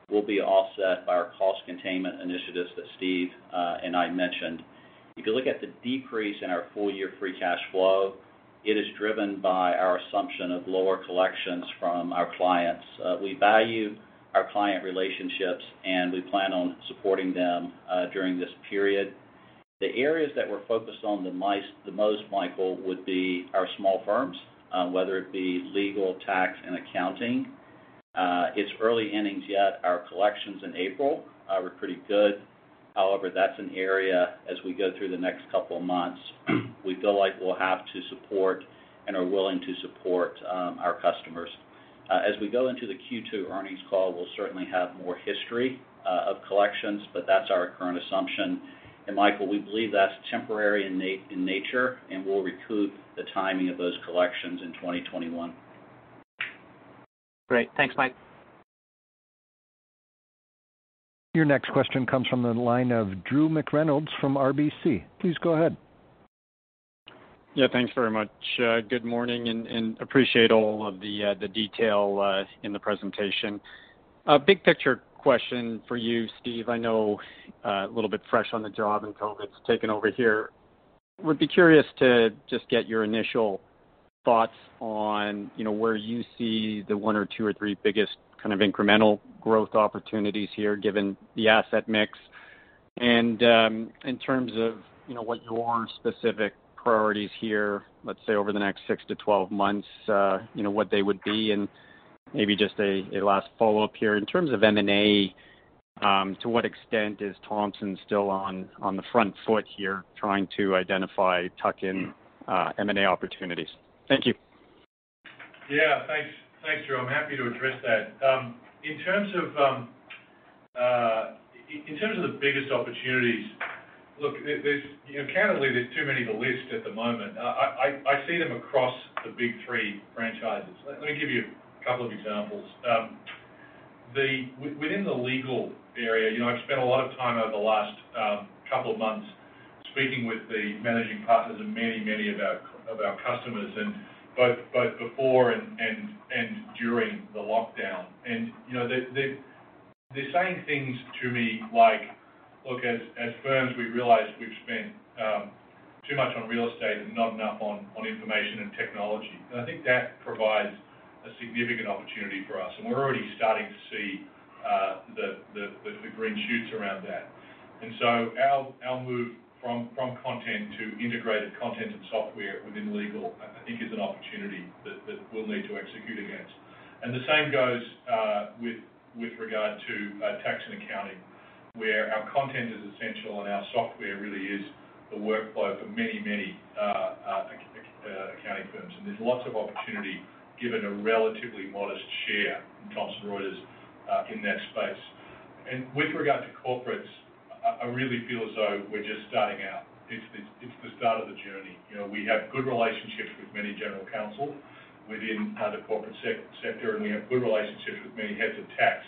will be offset by our cost containment initiatives that Steve and I mentioned. If you look at the decrease in our full-year free cash flow, it is driven by our assumption of lower collections from our clients. We value our client relationships, and we plan on supporting them during this period. The areas that we're focused on the most, Michael, would be our small firms, whether it be legal, tax, and accounting. It's early innings yet. Our collections in April were pretty good. However, that's an area as we go through the next couple of months, we feel like we'll have to support and are willing to support our customers. As we go into the Q2 earnings call, we'll certainly have more history of collections, but that's our current assumption. And Michael, we believe that's temporary in nature, and we'll recoup the timing of those collections in 2021. Great. Thanks, Mike. Your next question comes from the line of Drew McReynolds from RBC. Please go ahead. Yeah, thanks very much. Good morning and appreciate all of the detail in the presentation. Big picture question for you, Steve. I know a little bit fresh on the job and COVID's taken over here. Would be curious to just get your initial thoughts on where you see the one or two or three biggest kind of incremental growth opportunities here given the asset mix. And in terms of what your specific priorities here, let's say over the next six to 12 months, what they would be. And maybe just a last follow-up here. In terms of M&A, to what extent is Thomson still on the front foot here trying to identify tuck-in M&A opportunities? Thank you. Yeah, thanks, Drew. I'm happy to address that. In terms of the biggest opportunities, look, candidly, there's too many to list at the moment. I see them across the Big Three franchises. Let me give you a couple of examples. Within the legal area, I've spent a lot of time over the last couple of months speaking with the managing partners of many, many of our customers, both before and during the lockdown. And they're saying things to me like, "Look, as firms, we realize we've spent too much on real estate and not enough on information and technology." And I think that provides a significant opportunity for us. And we're already starting to see the green shoots around that. And so our move from content to integrated content and software within legal, I think, is an opportunity that we'll need to execute against. And the same goes with regard to tax and accounting, where our content is essential and our software really is the workflow for many, many accounting firms. There's lots of opportunity given a relatively modest share in Thomson Reuters in that space. With regard to corporates, I really feel as though we're just starting out. It's the start of the journey. We have good relationships with many general counsel within the corporate sector, and we have good relationships with many heads of tax.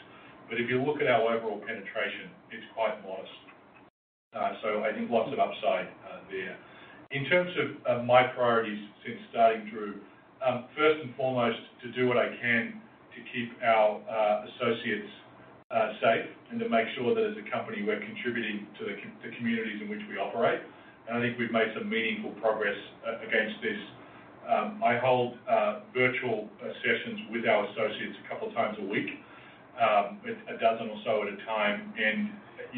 If you look at our overall penetration, it's quite modest. I think lots of upside there. In terms of my priorities since starting, Drew, first and foremost, to do what I can to keep our associates safe and to make sure that as a company, we're contributing to the communities in which we operate. I think we've made some meaningful progress against this. I hold virtual sessions with our associates a couple of times a week, a dozen or so at a time. And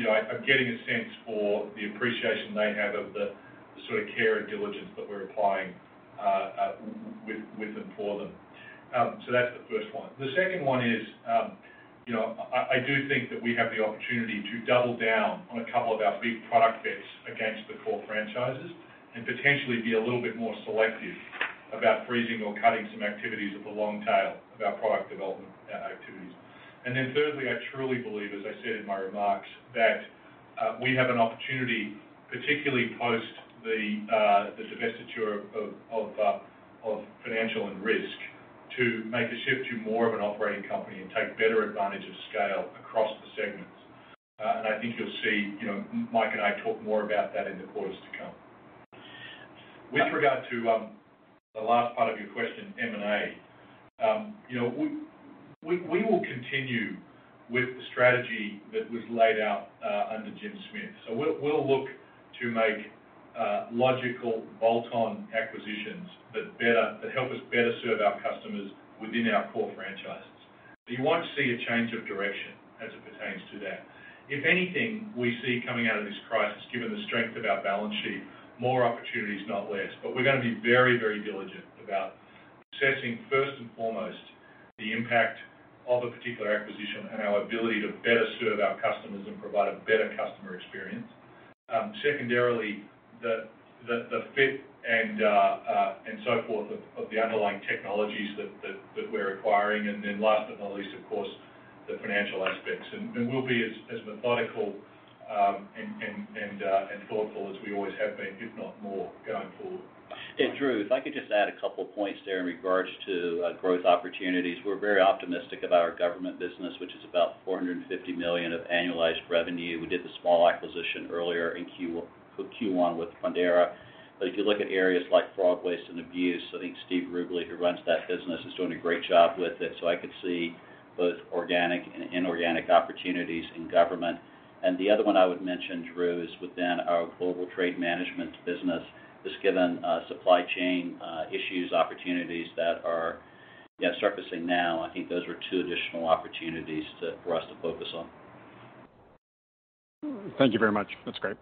I'm getting a sense for the appreciation they have of the sort of care and diligence that we're applying with and for them. So that's the first one. The second one is I do think that we have the opportunity to double down on a couple of our big product bets against the core franchises and potentially be a little bit more selective about freezing or cutting some activities of the long tail of our product development activities. And then thirdly, I truly believe, as I said in my remarks, that we have an opportunity, particularly post the divestiture of Financial & Risk, to make a shift to more of an operating company and take better advantage of scale across the segments. And I think you'll see Mike and I talk more about that in the quarters to come. With regard to the last part of your question, M&A, we will continue with the strategy that was laid out under Jim Smith. So we'll look to make logical bolt-on acquisitions that help us better serve our customers within our core franchises. You won't see a change of direction as it pertains to that. If anything, we see coming out of this crisis, given the strength of our balance sheet, more opportunities, not less. But we're going to be very, very diligent about assessing, first and foremost, the impact of a particular acquisition and our ability to better serve our customers and provide a better customer experience. Secondarily, the fit and so forth of the underlying technologies that we're acquiring. And then last but not least, of course, the financial aspects. And we'll be as methodical and thoughtful as we always have been, if not more, going forward. Drew, if I could just add a couple of points there in regards to growth opportunities. We're very optimistic about our government business, which is about $450 million of annualized revenue. We did the small acquisition earlier in Q1 with Pondera. But if you look at areas like fraud, waste, and abuse, I think Steve Rubley, who runs that business, is doing a great job with it. So I could see both organic and inorganic opportunities in government. And the other one I would mention, Drew, is within our global trade management business. Just given supply chain issues, opportunities that are surfacing now, I think those are two additional opportunities for us to focus on. Thank you very much. That's great.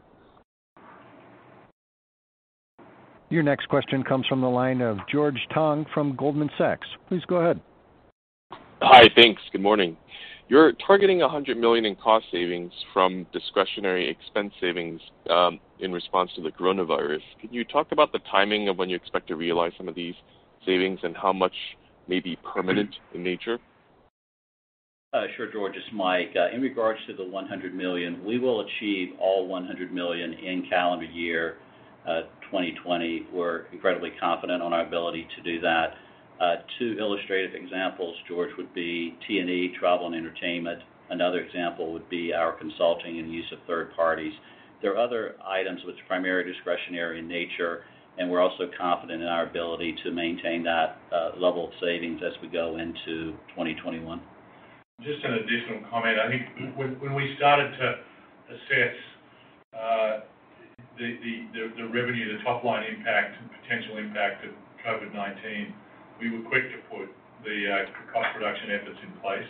Your next question comes from the line of George Tong from Goldman Sachs. Please go ahead. Hi, thanks. Good morning. You're targeting $100 million in cost savings from discretionary expense savings in response to the coronavirus. Can you talk about the timing of when you expect to realize some of these savings and how much may be permanent in nature? Sure, George. It's Mike. In regards to the $100 million, we will achieve all $100 million in calendar year 2020. We're incredibly confident on our ability to do that. Two illustrative examples, George, would be T&E, travel and entertainment. Another example would be our consulting and use of third parties. There are other items which are primarily discretionary in nature, and we're also confident in our ability to maintain that level of savings as we go into 2021. Just an additional comment. I think when we started to assess the revenue, the top-line impact, potential impact of COVID-19, we were quick to put the cost reduction efforts in place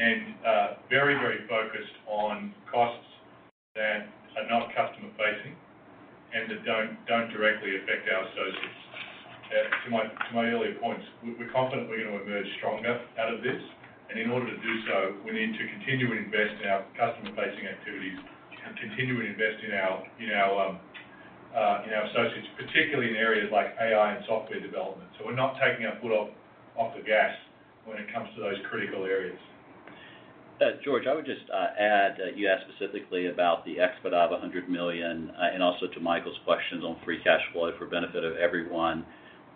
and very, very focused on costs that are not customer-facing and that don't directly affect our associates. To my earlier points, we're confident we're going to emerge stronger out of this. In order to do so, we need to continue and invest in our customer-facing activities and continue and invest in our associates, particularly in areas like AI and software development. We're not taking our foot off the gas when it comes to those critical areas. George, I would just add you asked specifically about the expedited $100 million and also to Michael's questions on free cash flow for benefit of everyone.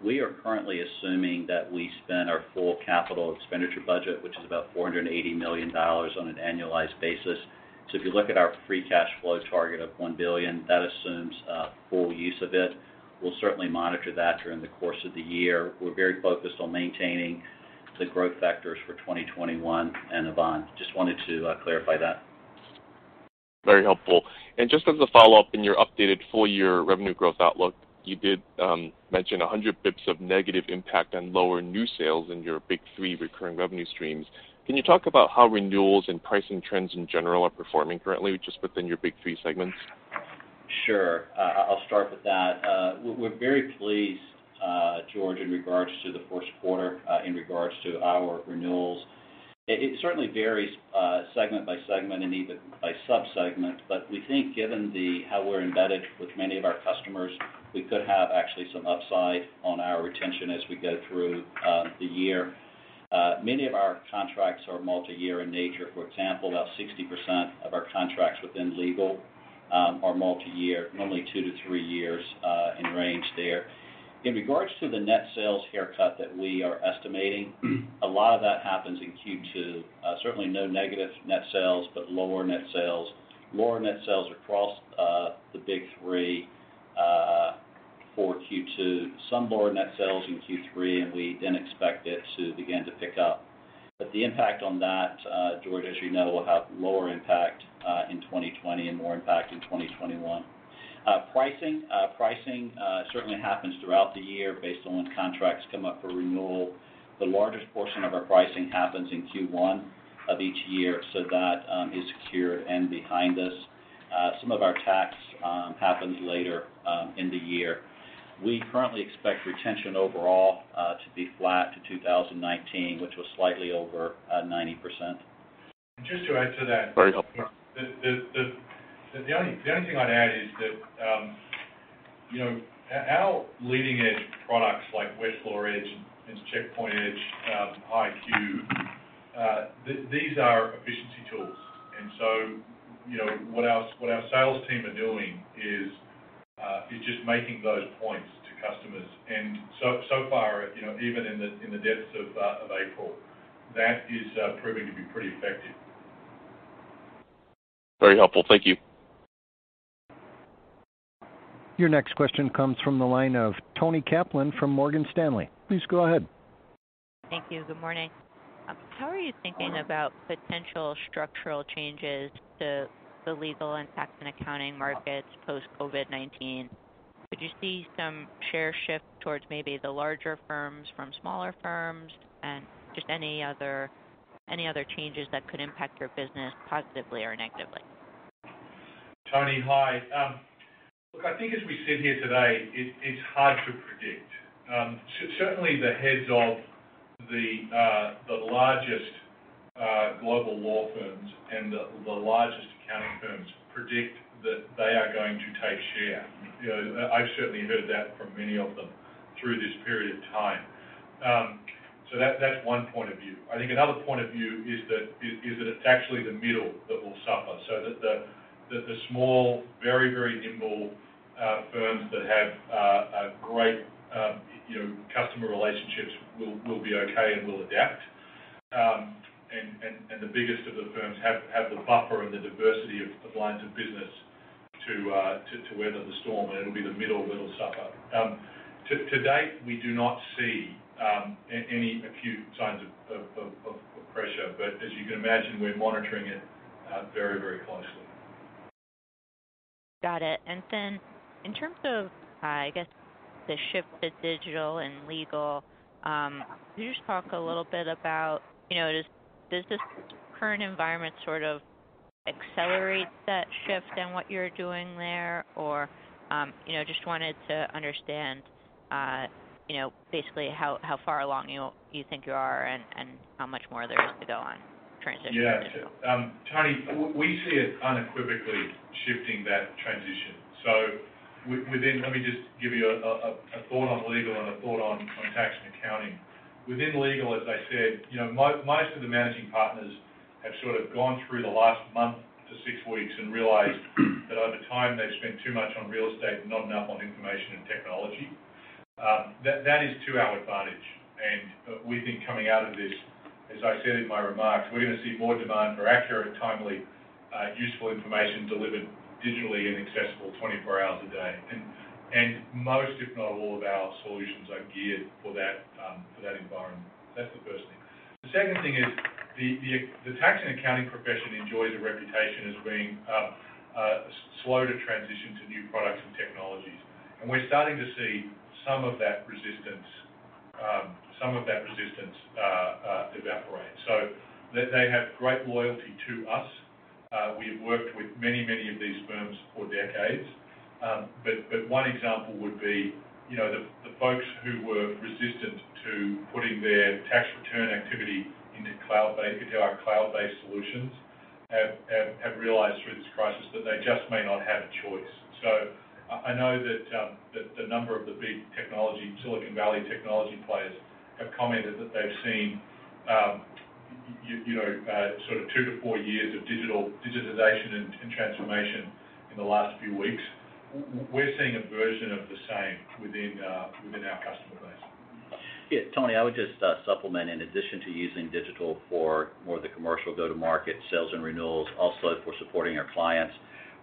We are currently assuming that we spend our full capital expenditure budget, which is about $480 million on an annualized basis. So if you look at our free cash flow target of $1 billion, that assumes full use of it. We'll certainly monitor that during the course of the year. We're very focused on maintaining the growth factors for 2021 and beyond. Just wanted to clarify that. Very helpful. And just as a follow-up in your updated full-year revenue growth outlook, you did mention 100 basis points of negative impact on lower new sales in your Big Three recurring revenue streams. Can you talk about how renewals and pricing trends in general are performing currently just within your Big Three segments? Sure. I'll start with that. We're very pleased, George, in regards to the first quarter in regards to our renewals. It certainly varies segment by segment and even by sub-segment. But we think given how we're embedded with many of our customers, we could have actually some upside on our retention as we go through the year. Many of our contracts are multi-year in nature. For example, about 60% of our contracts within legal are multi-year, normally two to three years in range there. In regards to the net sales haircut that we are estimating, a lot of that happens in Q2. Certainly no negative net sales, but lower net sales. Lower net sales across the Big Three for Q2. Some lower net sales in Q3, and we then expect it to begin to pick up. But the impact on that, George, as you know, will have lower impact in 2020 and more impact in 2021. Pricing certainly happens throughout the year based on when contracts come up for renewal. The largest portion of our pricing happens in Q1 of each year, so that is secured and behind us. Some of our tax happens later in the year. We currently expect retention overall to be flat to 2019, which was slightly over 90%. Just to add to that. Very helpful. The only thing I'd add is that our leading-edge products like Westlaw Edge and Checkpoint Edge, HighQ, these are efficiency tools. And so what our sales team are doing is just making those points to customers. And so far, even in the depths of April, that is proving to be pretty effective. Very helpful. Thank you. Your next question comes from the line of Toni Kaplan from Morgan Stanley. Please go ahead. Thank you. Good morning. How are you thinking about potential structural changes to the legal and tax and accounting markets post-COVID-19? Could you see some share shift towards maybe the larger firms from smaller firms and just any other changes that could impact your business positively or negatively? Toni, hi. Look, I think as we sit here today, it's hard to predict. Certainly, the heads of the largest global law firms and the largest accounting firms predict that they are going to take share. I've certainly heard that from many of them through this period of time. So that's one point of view. I think another point of view is that it's actually the middle that will suffer. So the small, very, very nimble firms that have great customer relationships will be okay and will adapt. And the biggest of the firms have the buffer and the diversity of lines of business to weather the storm, and it'll be the middle that'll suffer. To date, we do not see any acute signs of pressure, but as you can imagine, we're monitoring it very, very closely. Got it, and then in terms of, I guess, the shift to digital and legal, could you just talk a little bit about, does this current environment sort of accelerate that shift in what you're doing there? Or just wanted to understand basically how far along you think you are and how much more there is to go on transitioning into? Yeah. Tony, we see it unequivocally shifting that transition, so let me just give you a thought on legal and a thought on tax and accounting. Within legal, as I said, most of the managing partners have sort of gone through the last month to six weeks and realized that over time, they've spent too much on real estate and not enough on information and technology. That is to our advantage. And we think coming out of this, as I said in my remarks, we're going to see more demand for accurate, timely, useful information delivered digitally and accessible 24 hours a day. And most, if not all, of our solutions are geared for that environment. So that's the first thing. The second thing is the tax and accounting profession enjoys a reputation as being slow to transition to new products and technologies. And we're starting to see some of that resistance evaporate. So they have great loyalty to us. We have worked with many, many of these firms for decades. But one example would be the folks who were resistant to putting their tax return activity into our cloud-based solutions have realized through this crisis that they just may not have a choice. So I know that the number of the big Silicon Valley technology players have commented that they've seen sort of two to four years of digitalization and transformation in the last few weeks. We're seeing a version of the same within our customer base. Yeah. Tony, I would just supplement. In addition to using digital for more of the commercial go-to-market sales and renewals, also for supporting our clients,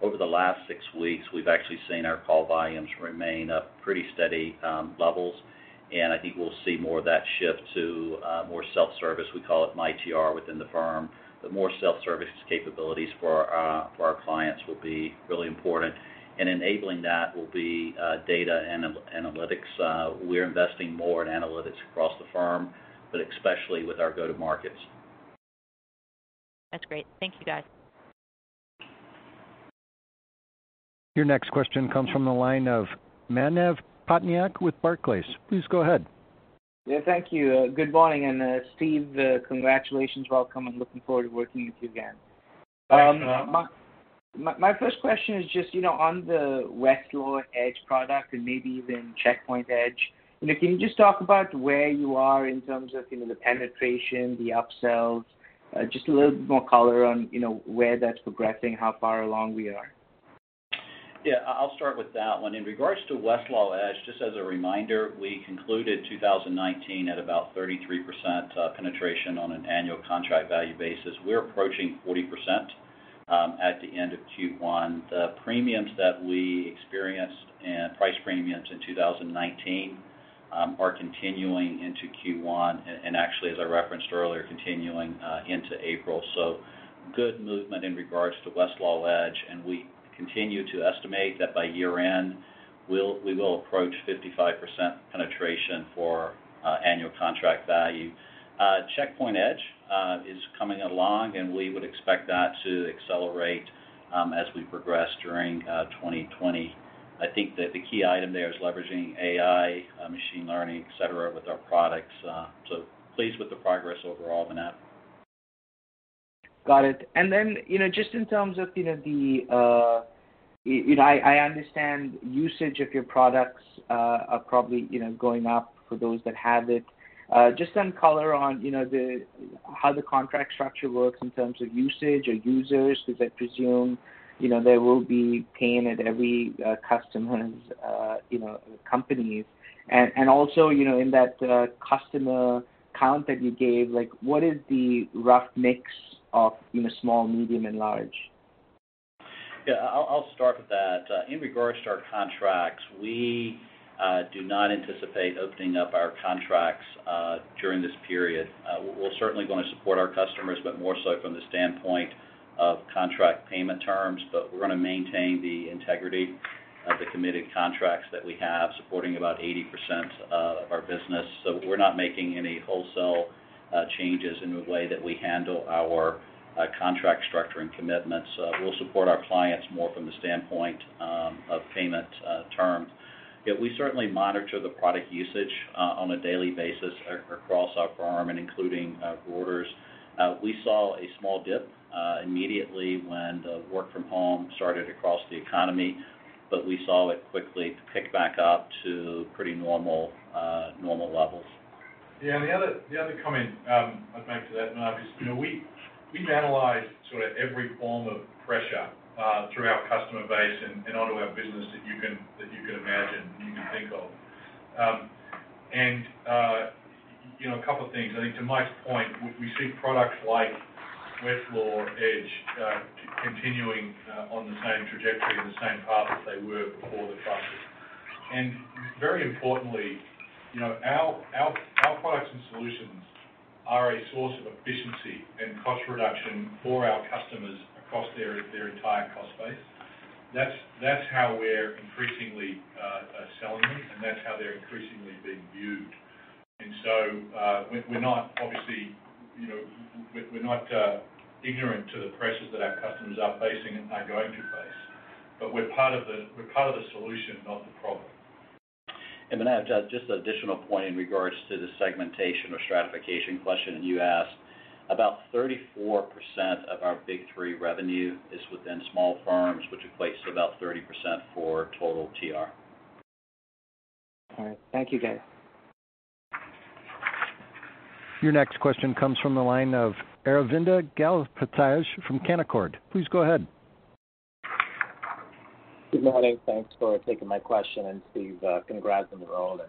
over the last six weeks, we've actually seen our call volumes remain at pretty steady levels. And I think we'll see more of that shift to more self-service. We call it MyTR within the firm. But more self-service capabilities for our clients will be really important. And enabling that will be data and analytics. We're investing more in analytics across the firm, but especially with our go-to-markets. That's great. Thank you, guys. Your next question comes from the line of Manav Patnaik with Barclays. Please go ahead. Yeah. Thank you. Good morning. And Steve, congratulations. Welcome. I'm looking forward to working with you again. Thanks for that. My first question is just on the Westlaw Edge product and maybe even Checkpoint Edge. Can you just talk about where you are in terms of the penetration, the upsells, just a little bit more color on where that's progressing, how far along we are? Yeah. I'll start with that one. In regards to Westlaw Edge, just as a reminder, we concluded 2019 at about 33% penetration on an annual contract value basis. We're approaching 40% at the end of Q1. The premiums that we experienced and price premiums in 2019 are continuing into Q1 and actually, as I referenced earlier, continuing into April. So good movement in regards to Westlaw Edge. We continue to estimate that by year-end, we will approach 55% penetration for annual contract value. Checkpoint Edge is coming along, and we would expect that to accelerate as we progress during 2020. I think that the key item there is leveraging AI, machine learning, etc., with our products. So pleased with the progress overall on that. Got it. And then just in terms of, I understand usage of your products are probably going up for those that have it. Just some color on how the contract structure works in terms of usage or users, because I presume there will be pain at every customer's companies. And also in that customer count that you gave, what is the rough mix of small, medium, and large? Yeah. I'll start with that. In regards to our contracts, we do not anticipate opening up our contracts during this period. We're certainly going to support our customers, but more so from the standpoint of contract payment terms. But we're going to maintain the integrity of the committed contracts that we have, supporting about 80% of our business. So we're not making any wholesale changes in the way that we handle our contract structure and commitments. We'll support our clients more from the standpoint of payment terms. We certainly monitor the product usage on a daily basis across our firm and including reporters. We saw a small dip immediately when the work-from-home started across the economy, but we saw it quickly pick back up to pretty normal levels. Yeah. The other comment I'd make to that, Manav, is we've analyzed sort of every form of pressure through our customer base and onto our business that you can imagine and you can think of. And a couple of things. I think to Mike's point, we see products like Westlaw Edge continuing on the same trajectory and the same path as they were before the crisis, and very importantly, our products and solutions are a source of efficiency and cost reduction for our customers across their entire cost base. That's how we're increasingly selling them, and that's how they're increasingly being viewed, and so we're not, obviously, we're not ignorant to the pressures that our customers are facing and are going to face but we're part of the solution, not the problem, And Manav, just an additional point in regards to the segmentation or stratification question you asked. About 34% of our Big Three revenue is within small firms, which equates to about 30% for total TR. All right. Thank you, guys. Your next question comes from the line of Aravinda Galappatthige from Canaccord. Please go ahead. Good morning. Thanks for taking my question. And Steve, congrats on the role and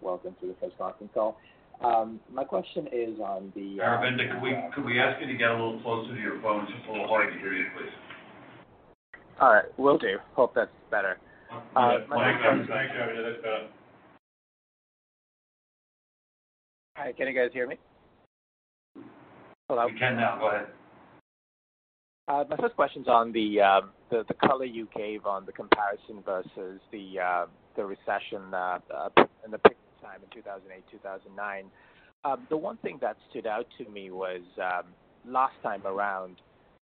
welcome to the first earnings call. My question is on the. Aravinda, could we ask you to get a little closer to your phone just so we'll hear you, please? All right. Will do. Hope that's better. Thanks, Aravinda. That's better. Hi. Can you guys hear me? Hello? You can now. Go ahead. My first question is on the color you gave on the comparison versus the recession and the pickup time in 2008, 2009. The one thing that stood out to me was last time around,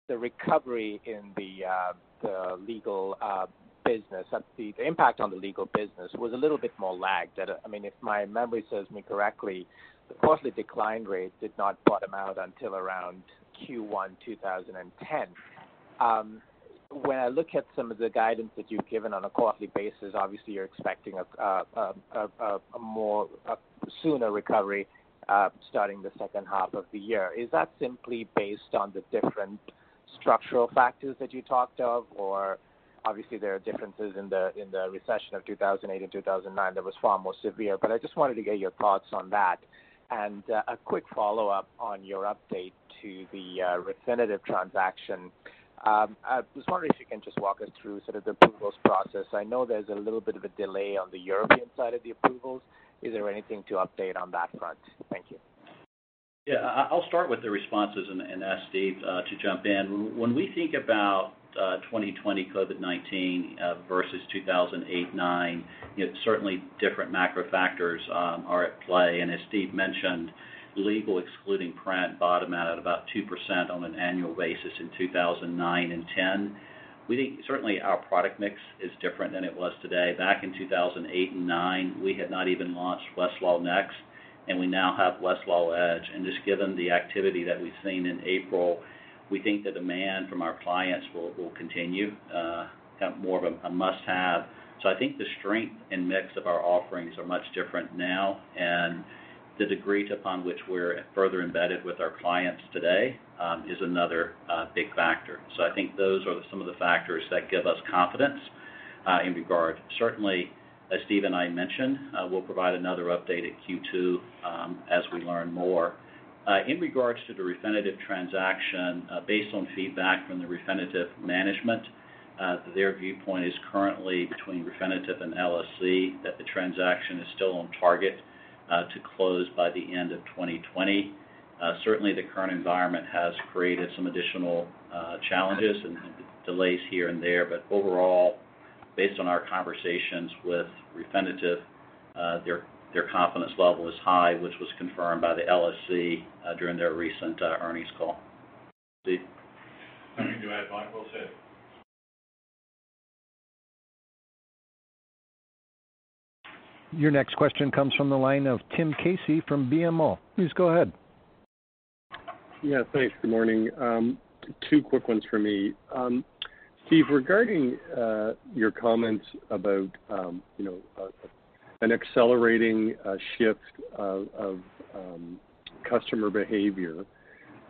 the recovery in the legal business, the impact on the legal business was a little bit more lagged. I mean, if my memory serves me correctly, the client decline rate did not bottom out until around Q1 2010. When I look at some of the guidance that you've given on a quarterly basis, obviously, you're expecting a more sooner recovery starting the second half of the year. Is that simply based on the different structural factors that you talked of? Or obviously, there are differences in the recession of 2008 and 2009 that was far more severe. But I just wanted to get your thoughts on that. And a quick follow-up on your update to the Refinitiv transaction. I was wondering if you can just walk us through sort of the approvals process. I know there's a little bit of a delay on the European side of the approvals. Is there anything to update on that front? Thank you. Yeah. I'll start with the responses and ask Steve to jump in. When we think about 2020 COVID-19 versus 2008, 2009, certainly different macro factors are at play. As Steve mentioned, Legal excluding print bottomed out at about 2% on an annual basis in 2009 and 2010. We think certainly our product mix is different than it was today. Back in 2008 and 2009, we had not even launched WestlawNext, and we now have Westlaw Edge. Just given the activity that we've seen in April, we think the demand from our clients will continue to have more of a must-have. I think the strength and mix of our offerings are much different now. The degree upon which we're further embedded with our clients today is another big factor. I think those are some of the factors that give us confidence in regard. Certainly, as Steve and I mentioned, we'll provide another update at Q2 as we learn more. In regards to the Refinitiv transaction, based on feedback from the Refinitiv management, their viewpoint is currently, between Refinitiv and LSEG, that the transaction is still on target to close by the end of 2020. Certainly, the current environment has created some additional challenges and delays here and there. But overall, based on our conversations with Refinitiv, their confidence level is high, which was confirmed by the LSEG during their recent earnings call. Steve. Thank you. Do I have time? Well said. Your next question comes from the line of Tim Casey from BMO. Please go ahead. Yeah. Thanks. Good morning. Two quick ones for me. Steve, regarding your comments about an accelerating shift of customer behavior,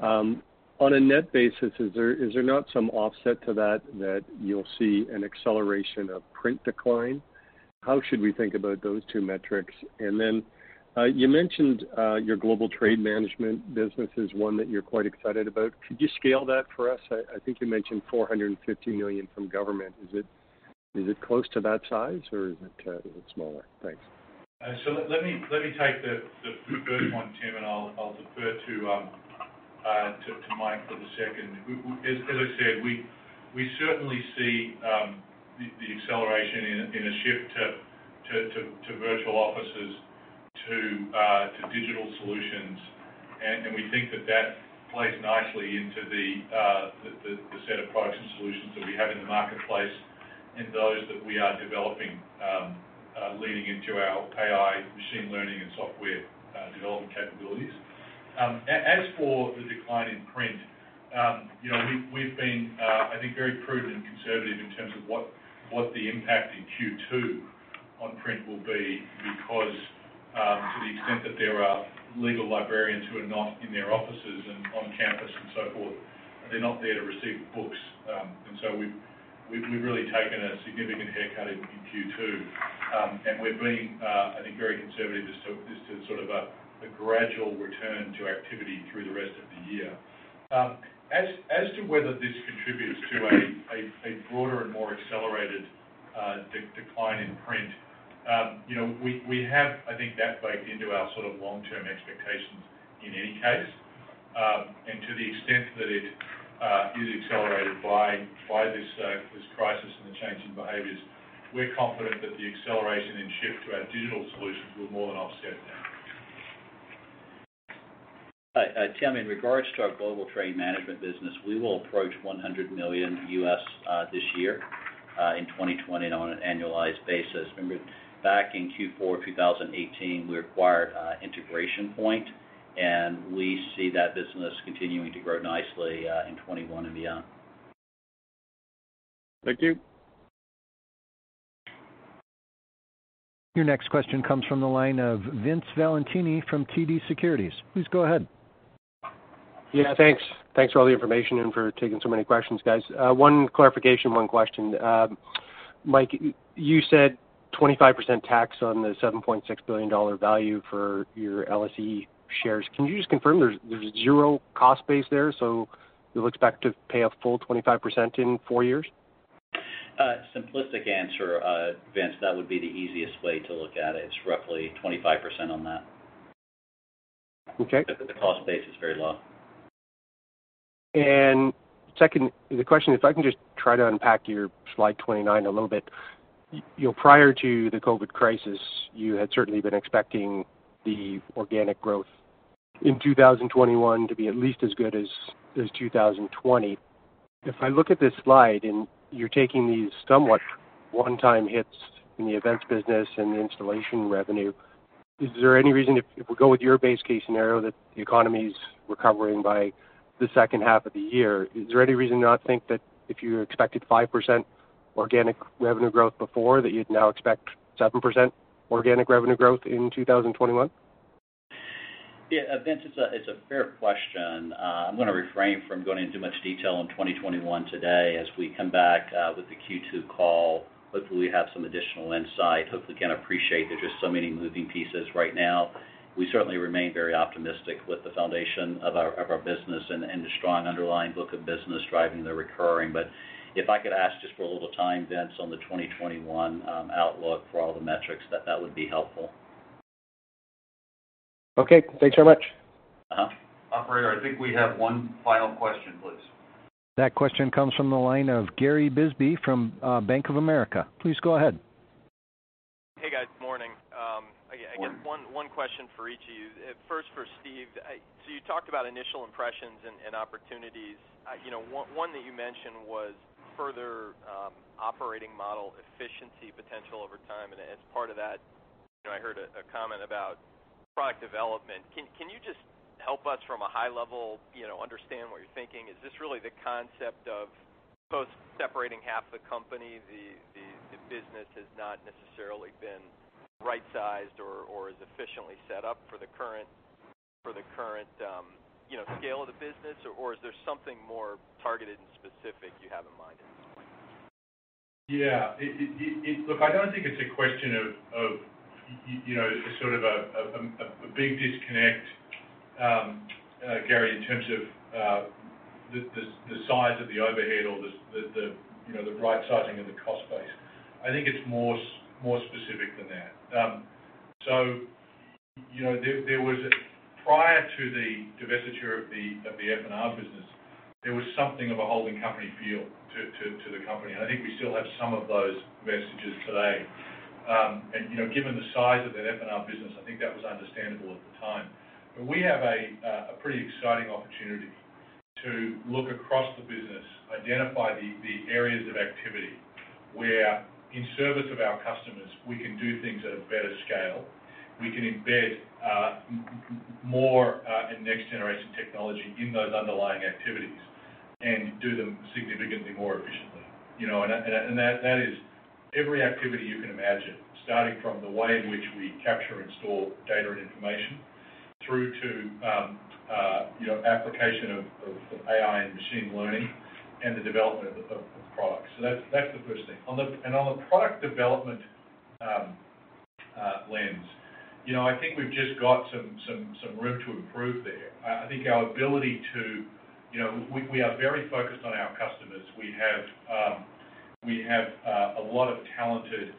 on a net basis, is there not some offset to that that you'll see an acceleration of print decline? How should we think about those two metrics? Then you mentioned your global trade management business is one that you're quite excited about. Could you scale that for us? I think you mentioned $450 million from government. Is it close to that size, or is it smaller? Thanks. Let me take the first one, Tim, and I'll defer to Mike for the second. As I said, we certainly see the acceleration in a shift to virtual offices, to digital solutions. We think that that plays nicely into the set of products and solutions that we have in the marketplace and those that we are developing leading into our AI, machine learning, and software development capabilities. As for the decline in print, we've been, I think, very prudent and conservative in terms of what the impact in Q2 on print will be because to the extent that there are legal librarians who are not in their offices and on campus and so forth, they're not there to receive books, and so we've really taken a significant haircut in Q2. And we're being, I think, very conservative as to sort of a gradual return to activity through the rest of the year. As to whether this contributes to a broader and more accelerated decline in print, we have, I think, that baked into our sort of long-term expectations in any case, and to the extent that it is accelerated by this crisis and the changing behaviors, we're confident that the acceleration and shift to our digital solutions will more than offset that. Tim, in regards to our global trade management business, we will approach $100 million this year in 2020 on an annualized basis. Remember, back in Q4 2018, we acquired Integration Point, and we see that business continuing to grow nicely in 2021 and beyond. Thank you. Your next question comes from the line of Vince Valentini from TD Securities. Please go ahead. Yeah. Thanks. Thanks for all the information and for taking so many questions, guys. One clarification, one question. Mike, you said 25% tax on the $7.6 billion value for your LSE shares. Can you just confirm there's zero cost base there? So it looks like we have to pay a full 25% in four years? Simplistic answer, Vince, that would be the easiest way to look at it. It's roughly 25% on that. The cost base is very low. And second, the question, if I can just try to unpack your slide 29 a little bit. Prior to the COVID crisis, you had certainly been expecting the organic growth in 2021 to be at least as good as 2020. If I look at this slide and you're taking these somewhat one-time hits in the events business and the installation revenue, is there any reason if we go with your base case scenario that the economy's recovering by the second half of the year, is there any reason to not think that if you expected 5% organic revenue growth before, that you'd now expect 7% organic revenue growth in 2021? Yeah. Vince, it's a fair question. I'm going to refrain from going into much detail on 2021 today. As we come back with the Q2 call, hopefully, we have some additional insight. Hopefully, you can appreciate there's just so many moving pieces right now. We certainly remain very optimistic with the foundation of our business and the strong underlying book of business driving the recurring. But if I could ask just for a little time, Vince, on the 2021 outlook for all the metrics, that would be helpful. Okay. Thanks very much. Operator, I think we have one final question, please. That question comes from the line of Gary Bisbee from Bank of America. Please go ahead. Hey, guys. Good morning. Again, one question for each of you. First, for Steve, so you talked about initial impressions and opportunities. One that you mentioned was further operating model efficiency potential over time. And as part of that, I heard a comment about product development. Can you just help us from a high level understand what you're thinking? Is this really the concept of post-separating half the company, the business has not necessarily been right-sized or as efficiently set up for the current scale of the business? Or is there something more targeted and specific you have in mind? Yeah. Look, I don't think it's a question of sort of a big disconnect, Gary, in terms of the size of the overhead or the right-sizing of the cost base. I think it's more specific than that. So prior to the divestiture of the F&R business, there was something of a holding company feel to the company. And I think we still have some of those vestiges today. And given the size of that F&R business, I think that was understandable at the time. But we have a pretty exciting opportunity to look across the business, identify the areas of activity where, in service of our customers, we can do things at a better scale. We can embed more and next-generation technology in those underlying activities and do them significantly more efficiently, and that is every activity you can imagine, starting from the way in which we capture and store data and information through to application of AI and machine learning and the development of products, so that's the first thing, and on the product development lens, I think we've just got some room to improve there. I think we are very focused on our customers. We have a lot of talented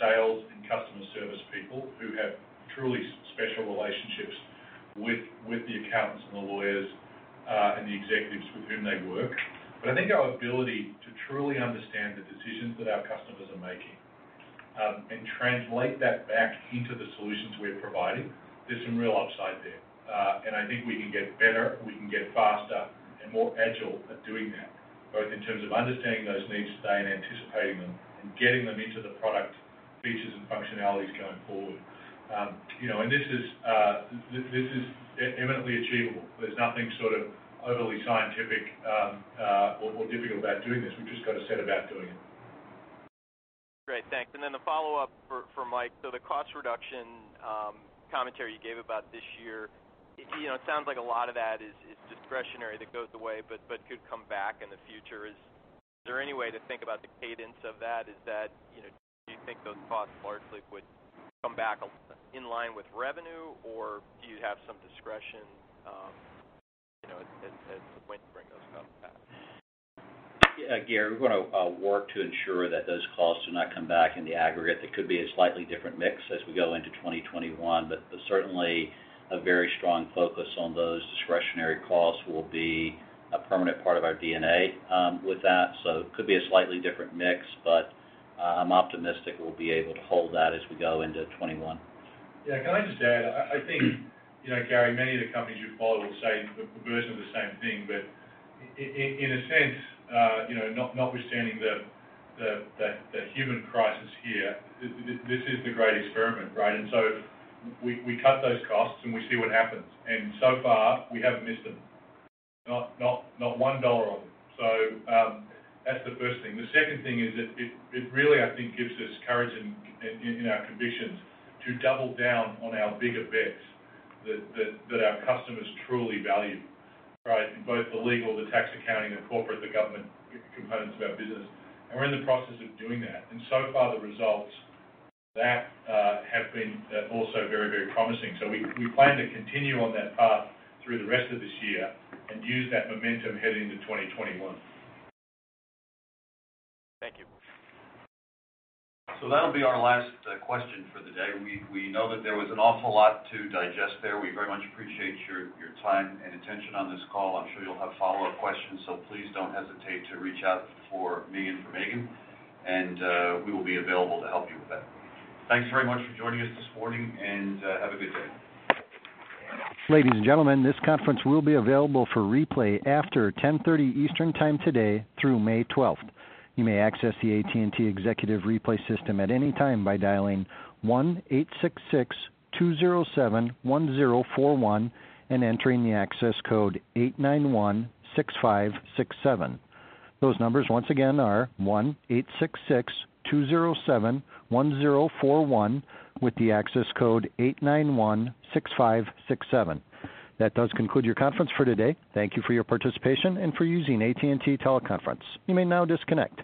sales and customer service people who have truly special relationships with the accountants and the lawyers and the executives with whom they work. But I think our ability to truly understand the decisions that our customers are making and translate that back into the solutions we're providing, there's some real upside there. And I think we can get better, we can get faster, and more agile at doing that, both in terms of understanding those needs today and anticipating them and getting them into the product features and functionalities going forward. And this is eminently achievable. There's nothing sort of overly scientific or difficult about doing this. We've just got to set about doing it. Great. Thanks. And then the follow-up for Mike, so the cost reduction commentary you gave about this year, it sounds like a lot of that is discretionary that goes away but could come back in the future. Is there any way to think about the cadence of that? Is that you think those costs largely would come back in line with revenue, or do you have some discretion as to when to bring those costs back? Yeah. Gary, we're going to work to ensure that those costs do not come back in the aggregate. There could be a slightly different mix as we go into 2021, but certainly a very strong focus on those discretionary costs will be a permanent part of our DNA with that. So it could be a slightly different mix, but I'm optimistic we'll be able to hold that as we go into 2021. Yeah. Can I just add? I think, Gary, many of the companies you follow will say the version of the same thing. But in a sense, notwithstanding the human crisis here, this is the great experiment, right? And so we cut those costs and we see what happens. And so far, we haven't missed them. Not one dollar of them. So that's the first thing. The second thing is that it really, I think, gives us courage in our convictions to double down on our bigger bets that our customers truly value, right, in both the legal, the tax accounting, the corporate, the government components of our business. And we're in the process of doing that. And so far, the results that have been also very, very promising. So we plan to continue on that path through the rest of this year and use that momentum heading into 2021. Thank you. So that'll be our last question for the day. We know that there was an awful lot to digest there. We very much appreciate your time and attention on this call. I'm sure you'll have follow-up questions. Please don't hesitate to reach out for me and for Megan. We will be available to help you with that. Thanks very much for joining us this morning, and have a good day. Ladies and gentlemen, this conference will be available for replay after 10:30 A.M. Eastern Time today through May 12th. You may access the AT&T Executive Replay System at any time by dialing 1-866-207-1041 and entering the access code 8916567. Those numbers, once again, are 1-866-207-1041 with the access code 8916567. That does conclude your conference for today. Thank you for your participation and for using AT&T Teleconference. You may now disconnect.